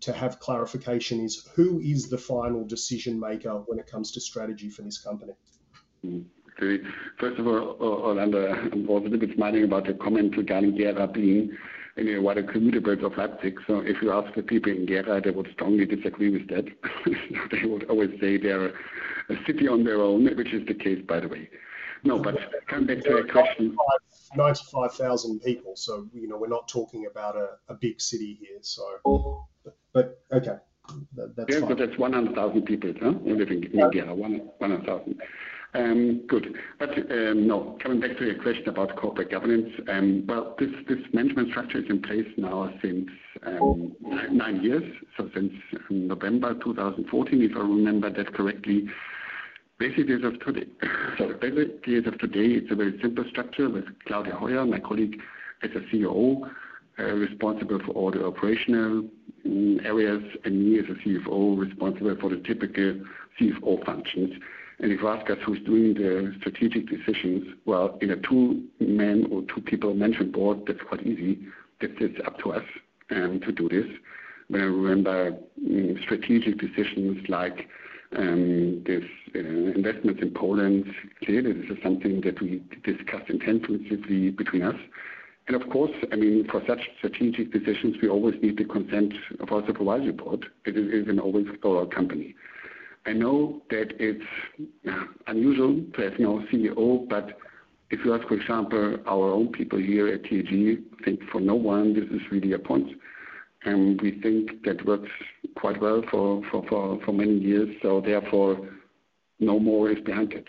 to have clarification, is who is the final decision maker when it comes to strategy for this company? Mm. Okay. First of all, Orlando, I'm also a little bit smiling about the comment regarding Gera being, you know, what a commuter belt of Leipzig. If you ask the people in Gera, they would strongly disagree with that. They would always say they're a city on their own, which is the case, by the way. Coming back to your question- 9-5 000 people. You know, we're not talking about a big city here. Oh. Okay. That's fine. Yeah. That's 100,000 people, huh? Living in Gera. 100,000. Good. No, coming back to your question about corporate governance, well, this management structure is in place now since nine years. Since November 2014, if I remember that correctly. Basically, as of today, it's a very simple structure with Claudia Hoyer, my colleague, as a COO, responsible for all the operational areas, and me as a CFO, responsible for the typical CFO functions. If you ask us who's doing the strategic decisions, well, in a two men or two people management board, that's quite easy. That is up to us to do this. When I remember strategic decisions like this investments in Poland, clearly, this is something that we discussed intensively between us. Of course, I mean, for such strategic decisions, we always need the consent of our supervisory board. It is an always for our company. I know that it's, yeah, unusual to have no CEO, but if you ask, for example, our own people here at TAG, I think for no one, this is really a point. We think that works quite well for many years. Therefore, no more is behind it.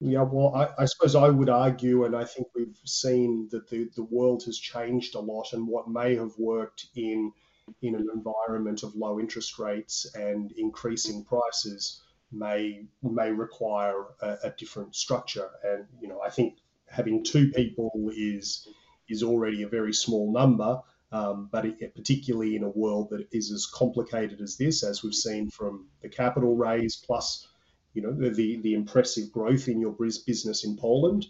Well, I suppose I would argue, and I think we've seen that the world has changed a lot and what may have worked in an environment of low interest rates and increasing prices may require a different structure. You know, I think having two people is already a very small number. But it particularly in a world that is as complicated as this, as we've seen from the capital raise plus, you know, the impressive growth in your business in Poland.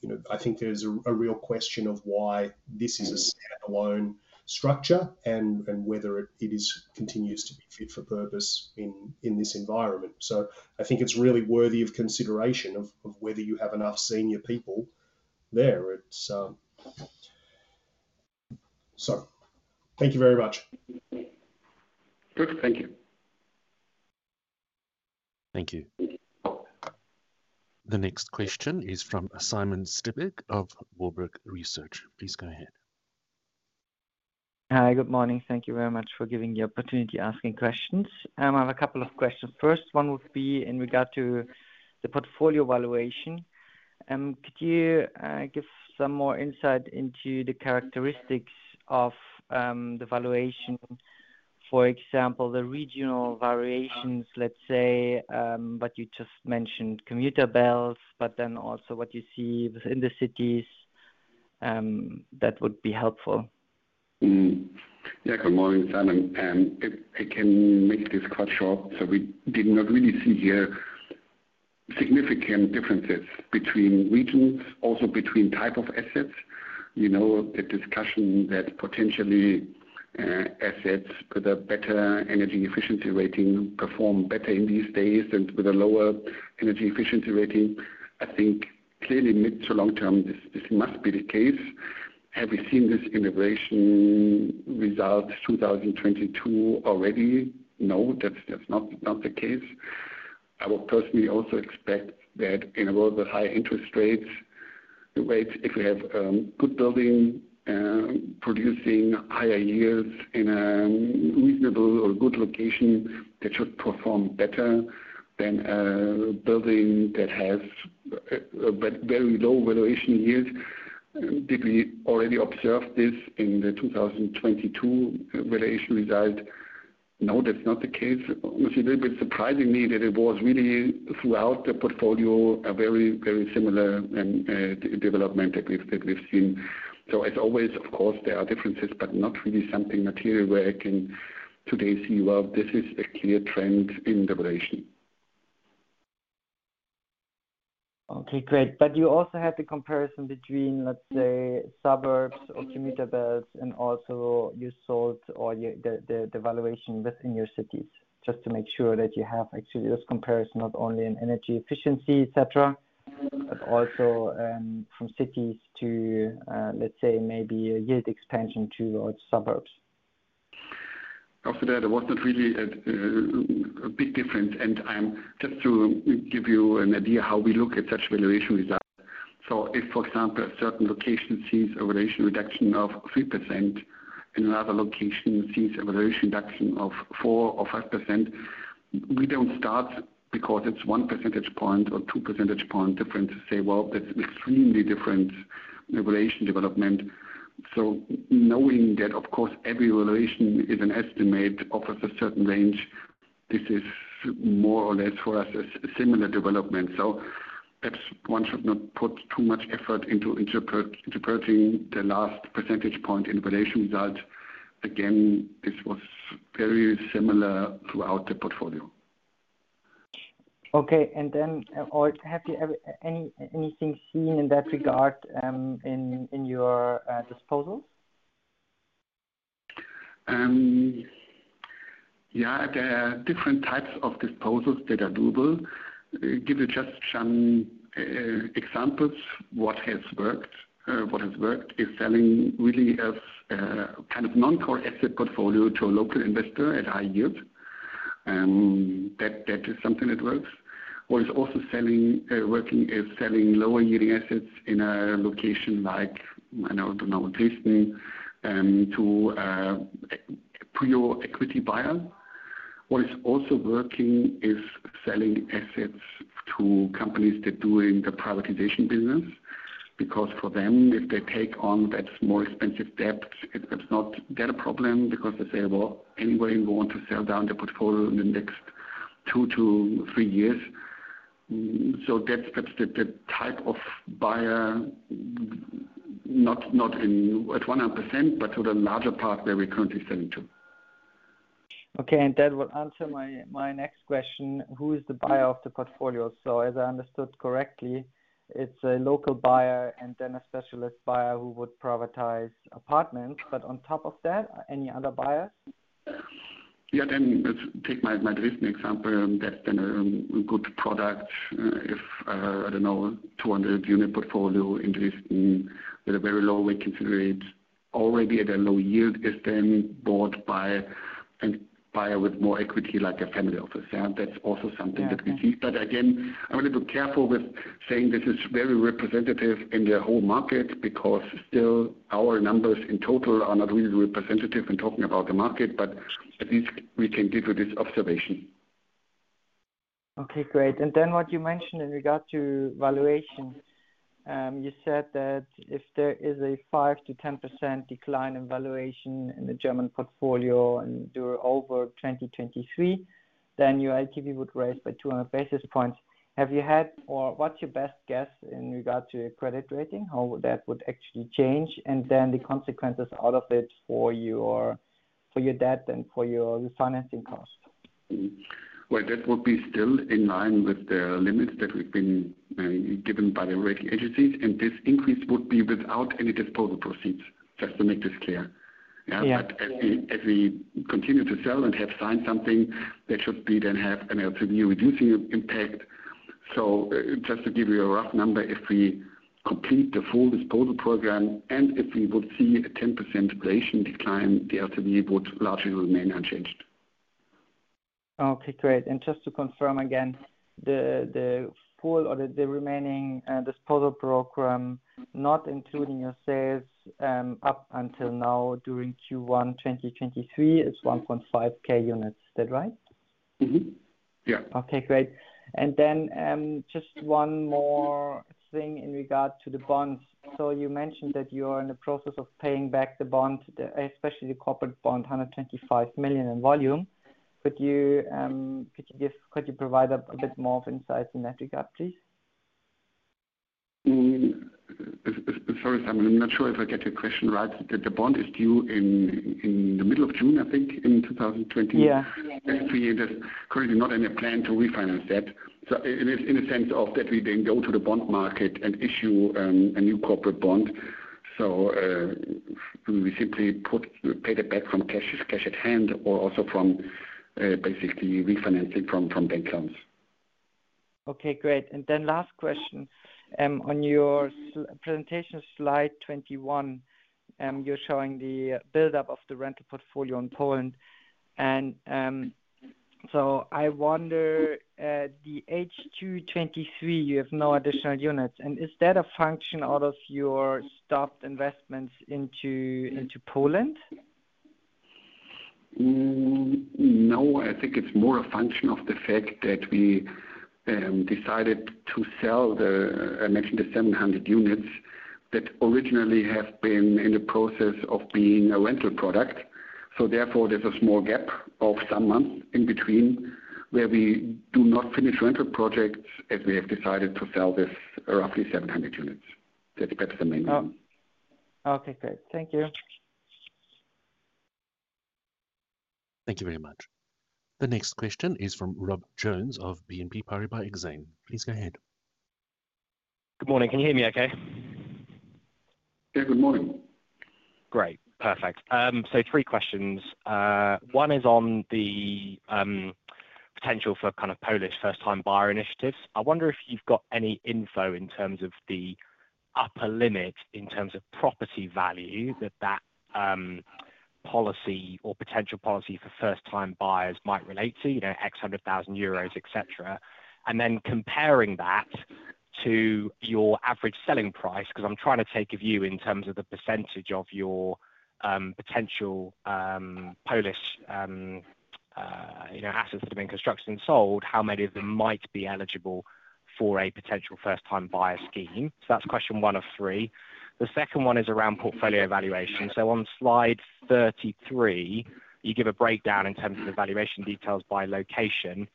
You know, I think there's a real question of why this is a standalone structure and whether it is continues to be fit for purpose in this environment. I think it's really worthy of consideration of whether you have enough senior people there. It's. Thank you very much. Good. Thank you. Thank you. The next question is from Simon Stippig of Warburg Research. Please go ahead. Hi. Good morning. Thank you very much for giving the opportunity asking questions. I have a couple of questions. First one would be in regard to the portfolio valuation. Could you give some more insight into the characteristics of the valuation? For example, the regional variations, let's say, but you just mentioned commuter belts, but then also what you see within the cities, that would be helpful. Good morning, Simon. It can make this quite short. We did not really see here significant differences between regions, also between type of assets. You know, the discussion that potentially assets with a better energy efficiency rating perform better in these days than with a lower energy efficiency rating. I think clearly mid to long term, this must be the case. Have we seen this integration result 2022 already? No, that's not the case. I would personally also expect that in a world with high interest rates, the rates, if we have good building producing higher yields in a reasonable or good location, that should perform better than a building that has a very low valuation yields. Did we already observe this in the 2022 valuation result? No, that's not the case. It was a little bit surprising me that it was really throughout the portfolio a very similar, development that we've seen. As always, of course, there are differences, but not really something material where I can today see, well, this is a clear trend in the valuation. Okay, great. You also have the comparison between, let's say, suburbs or commuter belts and also you sold the valuation within your cities. Just to make sure that you have actually this comparison not only in energy efficiency, et cetera, but also from cities to, let's say maybe a yield expansion towards suburbs. After that, there was not really a big difference. Just to give you an idea how we look at such valuation result. If, for example, a certain location sees a valuation reduction of 3% and another location sees a valuation reduction of 4%-5%, we don't start because it's one percentage point or two percentage point difference to say, well, that's extremely different valuation development. Knowing that, of course, every valuation is an estimate offers a certain range. This is more or less for us a similar development. Perhaps one should not put too much effort into interpreting the last percentage point in valuation result. Again, this was very similar throughout the portfolio. Okay. Have you ever anything seen in that regard, in your disposals? Yeah. There are different types of disposals that are doable. Give you just some examples. What has worked. What has worked is selling really as a kind of non-core asset portfolio to a local investor at high yield. That is something that works. What is also selling, working is selling lower yielding assets in a location like, I know, I don't know, Dresden, to a pure equity buyer. What is also working is selling assets to companies that doing the privatization business, because for them, if they take on that more expensive debt, it's not their problem because they say, "Well, anyway, we want to sell down the portfolio in the next two to three years." That's the type of buyer not in at 100%, but to the larger part that we're currently selling to. Okay. That will answer my next question. Who is the buyer of the portfolio? As I understood correctly, it's a local buyer and then a specialist buyer who would privatize apartments. On top of that, any other buyers? Yeah. Let's take my Dresden example. That's been a good product. If I don't know, 200 unit portfolio in Dresden with a very low reconsider rate already at a low yield is then bought by a buyer with more equity, like a family office. Yeah. That's also something that we see. Again, I'm a little careful with saying this is very representative in the whole market because still our numbers in total are not really representative in talking about the market. At least we can give you this observation. Okay, great. What you mentioned in regard to valuation, you said that if there is a 5%-10% decline in valuation in the German portfolio and over 2023, then your LTV would raise by 200 basis points. Have you had or what's your best guess in regard to credit rating? How would that would actually change, and then the consequences out of it for your, for your debt and for your financing cost? Well, that would be still in line with the limits that we've been given by the rating agencies. This increase would be without any disposal proceeds. Just to make this clear. Yeah. As we continue to sell and have signed something that should be then have an LTV reducing impact. Just to give you a rough number, if we complete the full disposal program and if we would see a 10% valuation decline, the LTV would largely remain unchanged. Okay, great. Just to confirm again, the full or the remaining disposal program, not including your sales, up until now during Q1 2023 is 1.5K units. Is that right? Mm-hmm. Yeah. Okay, great. Just one more thing in regards to the bonds. You mentioned that you are in the process of paying back the bond, especially the corporate bond, 125 million in volume. Could you provide a bit more of insight in that regard, please? sorry, Simon, I'm not sure if I get your question right. The bond is due in the middle of June, I think, in 2020-. Yeah. Three. There's currently not any plan to refinance that. In a sense of that, we then go to the bond market and issue a new corporate bond. We simply put, pay that back from cash at hand or also from basically refinancing from bank loans. Okay, great. Last question. On your presentation slide 21, you're showing the build-up of the rental portfolio in Poland. I wonder, the HQ 2023, you have no additional units. Is that a function out of your stopped investments into Poland? No. I think it's more a function of the fact that we decided to sell. I mentioned the 700 units that originally have been in the process of being a rental product. Therefore, there's a small gap of some months in between where we do not finish rental projects as we have decided to sell this roughly 700 units. That's the main one. Oh. Okay, great. Thank you. Thank you very much. The next question is from Rob Jones of BNP Paribas Exane. Please go ahead. Good morning. Can you hear me okay? Yeah, good morning. Great. Perfect. Three questions. One is on the potential for kind of Polish first time buyer initiatives. I wonder if you've got any info in terms of the upper limit in terms of property value that policy or potential policy for first time buyers might relate to, you know, x hundred thousand EUR, et cetera. Comparing that to your average selling price, because I'm trying to take a view in terms of the percentage of your potential Polish, you know, assets that have been constructed and sold, how many of them might be eligible for a potential first time buyer scheme. That's question one of three. The second one is around portfolio valuation. On slide 33, you give a breakdown in terms of the valuation details by location.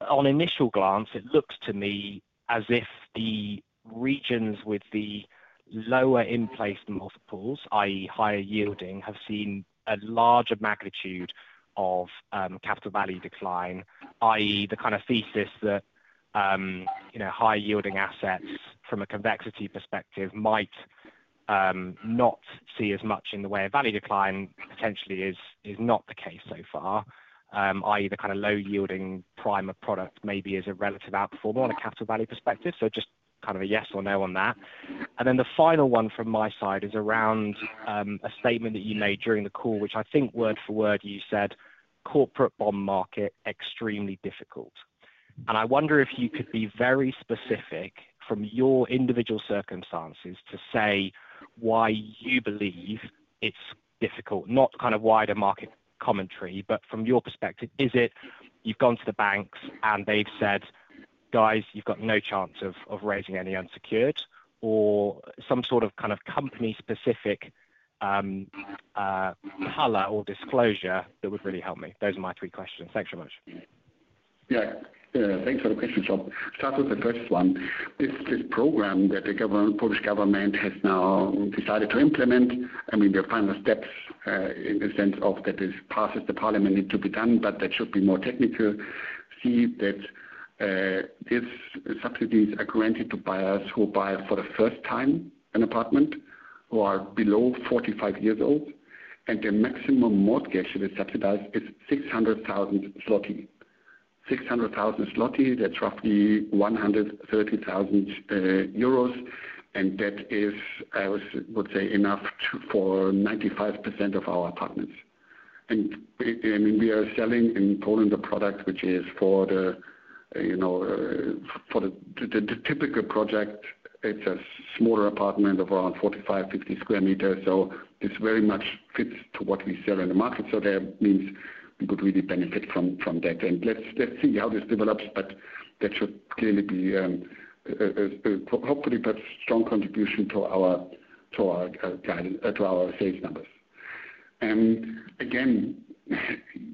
On initial glance, it looks to me as if the regions with the lower in place multiples, i.e., higher yielding, have seen a larger magnitude of capital value decline, i.e., the kind of thesis that, you know, high yielding assets from a convexity perspective might not see as much in the way of value decline potentially is not the case so far. i.e., the kind of low yielding prime product maybe is a relative outperformer on a capital value perspective. Just kind of a yes or no on that. The final one from my side is around a statement that you made during the call, which I think word for word, you said, "Corporate bond market, extremely difficult." I wonder if you could be very specific from your individual circumstances to say why you believe it's difficult, not kind of wider market commentary, but from your perspective, is it you've gone to the banks and they've said, "Guys, you've got no chance of raising any unsecured," or some sort of, kind of, company specific color or disclosure that would really help me. Those are my three questions. Thanks so much. Thanks for the question, Rob. Start with the first one. This program that the government, Polish government has now decided to implement. I mean, the final steps, in the sense of that this passes the parliament need to be done, but that should be more technical. See that, these subsidies are granted to buyers who buy for the first time an apartment who are below 45 years old, and the maximum mortgage that is subsidized is 600,000 zloty. 600,000 zloty, that's roughly 130,000 euros. That is, I would say, enough to, for 95% of our apartments. I mean, we are selling in Poland a product which is for the, you know, for the typical project, it's a smaller apartment of around 45, 50 square meters. This very much fits to what we sell in the market. That means we could really benefit from that. Let's see how this develops, but that should clearly be hopefully put strong contribution to our sales numbers. Again,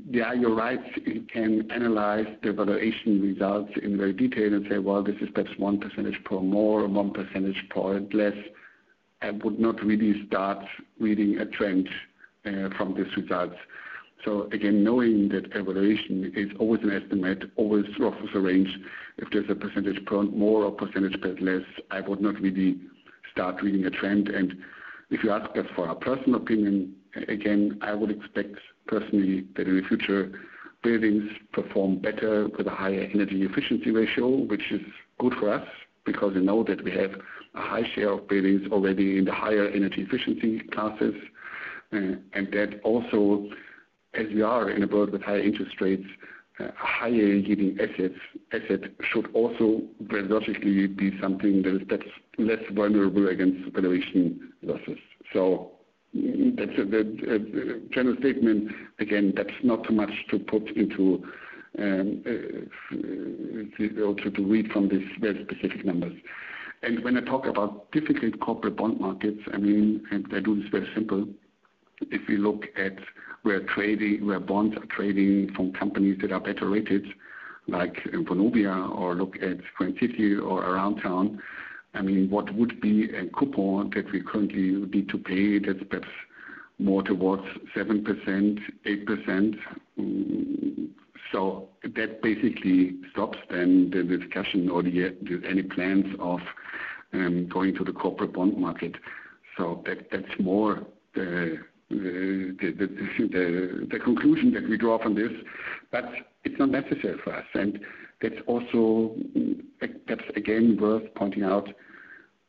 yeah, you're right. You can analyze the valuation results in very detail and say, "Well, this is perhaps one percentage point more or one percentage point less." I would not really start reading a trend from these results. Again, knowing that valuation is always an estimate, always offers a range. If there's a percentage per more or percentage per less, I would not really start reading a trend. If you ask us for our personal opinion, again, I would expect personally that in the future, buildings perform better with a higher energy efficiency ratio, which is good for us because you know that we have a high share of buildings already in the higher energy efficiency classes. That also, as we are in a world with higher interest rates, a higher yielding asset should also philosophically be something that's less vulnerable against valuation losses. That's that, general statement. Again, that's not too much to put into, to read from these very specific numbers. When I talk about difficult corporate bond markets, I mean, and I do this very simple. If you look at where bonds are trading from companies that are better rated, like in Vonovia or look at Grand City or Aroundtown, I mean, what would be a coupon that we currently would need to pay that's perhaps more towards 7%, 8%. That basically stops then the discussion or any plans of going to the corporate bond market. That's more the conclusion that we draw from this, but it's not necessary for us. That's again, worth pointing out.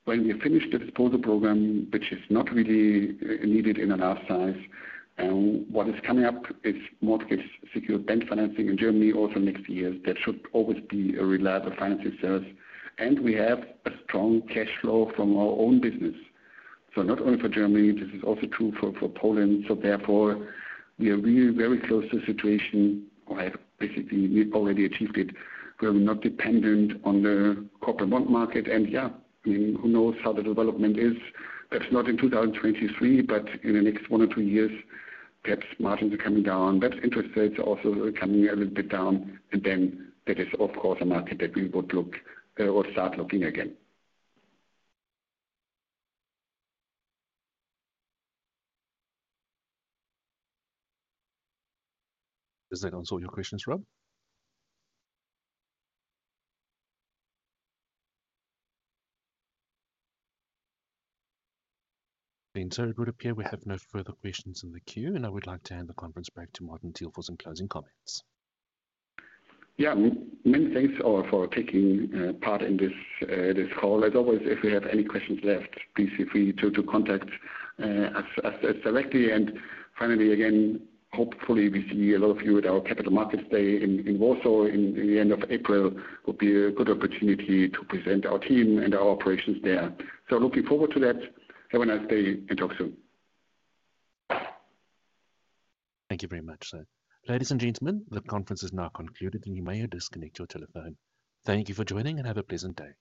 When we finish the disposal program, which is not really needed in our size, what is coming up is more to get secured bank financing in Germany also next year. That should always be a reliable financing source. And we have a strong cash flow from our own business. Not only for Germany, this is also true for Poland. Therefore we are really very close to the situation where basically we've already achieved it. We are not dependent on the corporate bond market. Yeah, I mean, who knows how the development is. Perhaps not in 2023, but in the next one or two years, perhaps margins are coming down, but interest rates are also coming a little bit down. That is of course, a market that we would look or start looking again. Does that answer all your questions, Rob? It would appear we have no further questions in the queue, and I would like to hand the conference back to Martin Thiel for some closing comments. Yeah. Many thanks all for taking part in this call. As always, if you have any questions left, please feel free to contact us directly. Finally, again, hopefully we see a lot of you at our capital markets day in Warsaw in the end of April. Will be a good opportunity to present our team and our operations there. Looking forward to that. Have a nice day and talk soon. Thank you very much, sir. Ladies and gentlemen, the conference is now concluded, and you may disconnect your telephone. Thank you for joining, and have a pleasant day.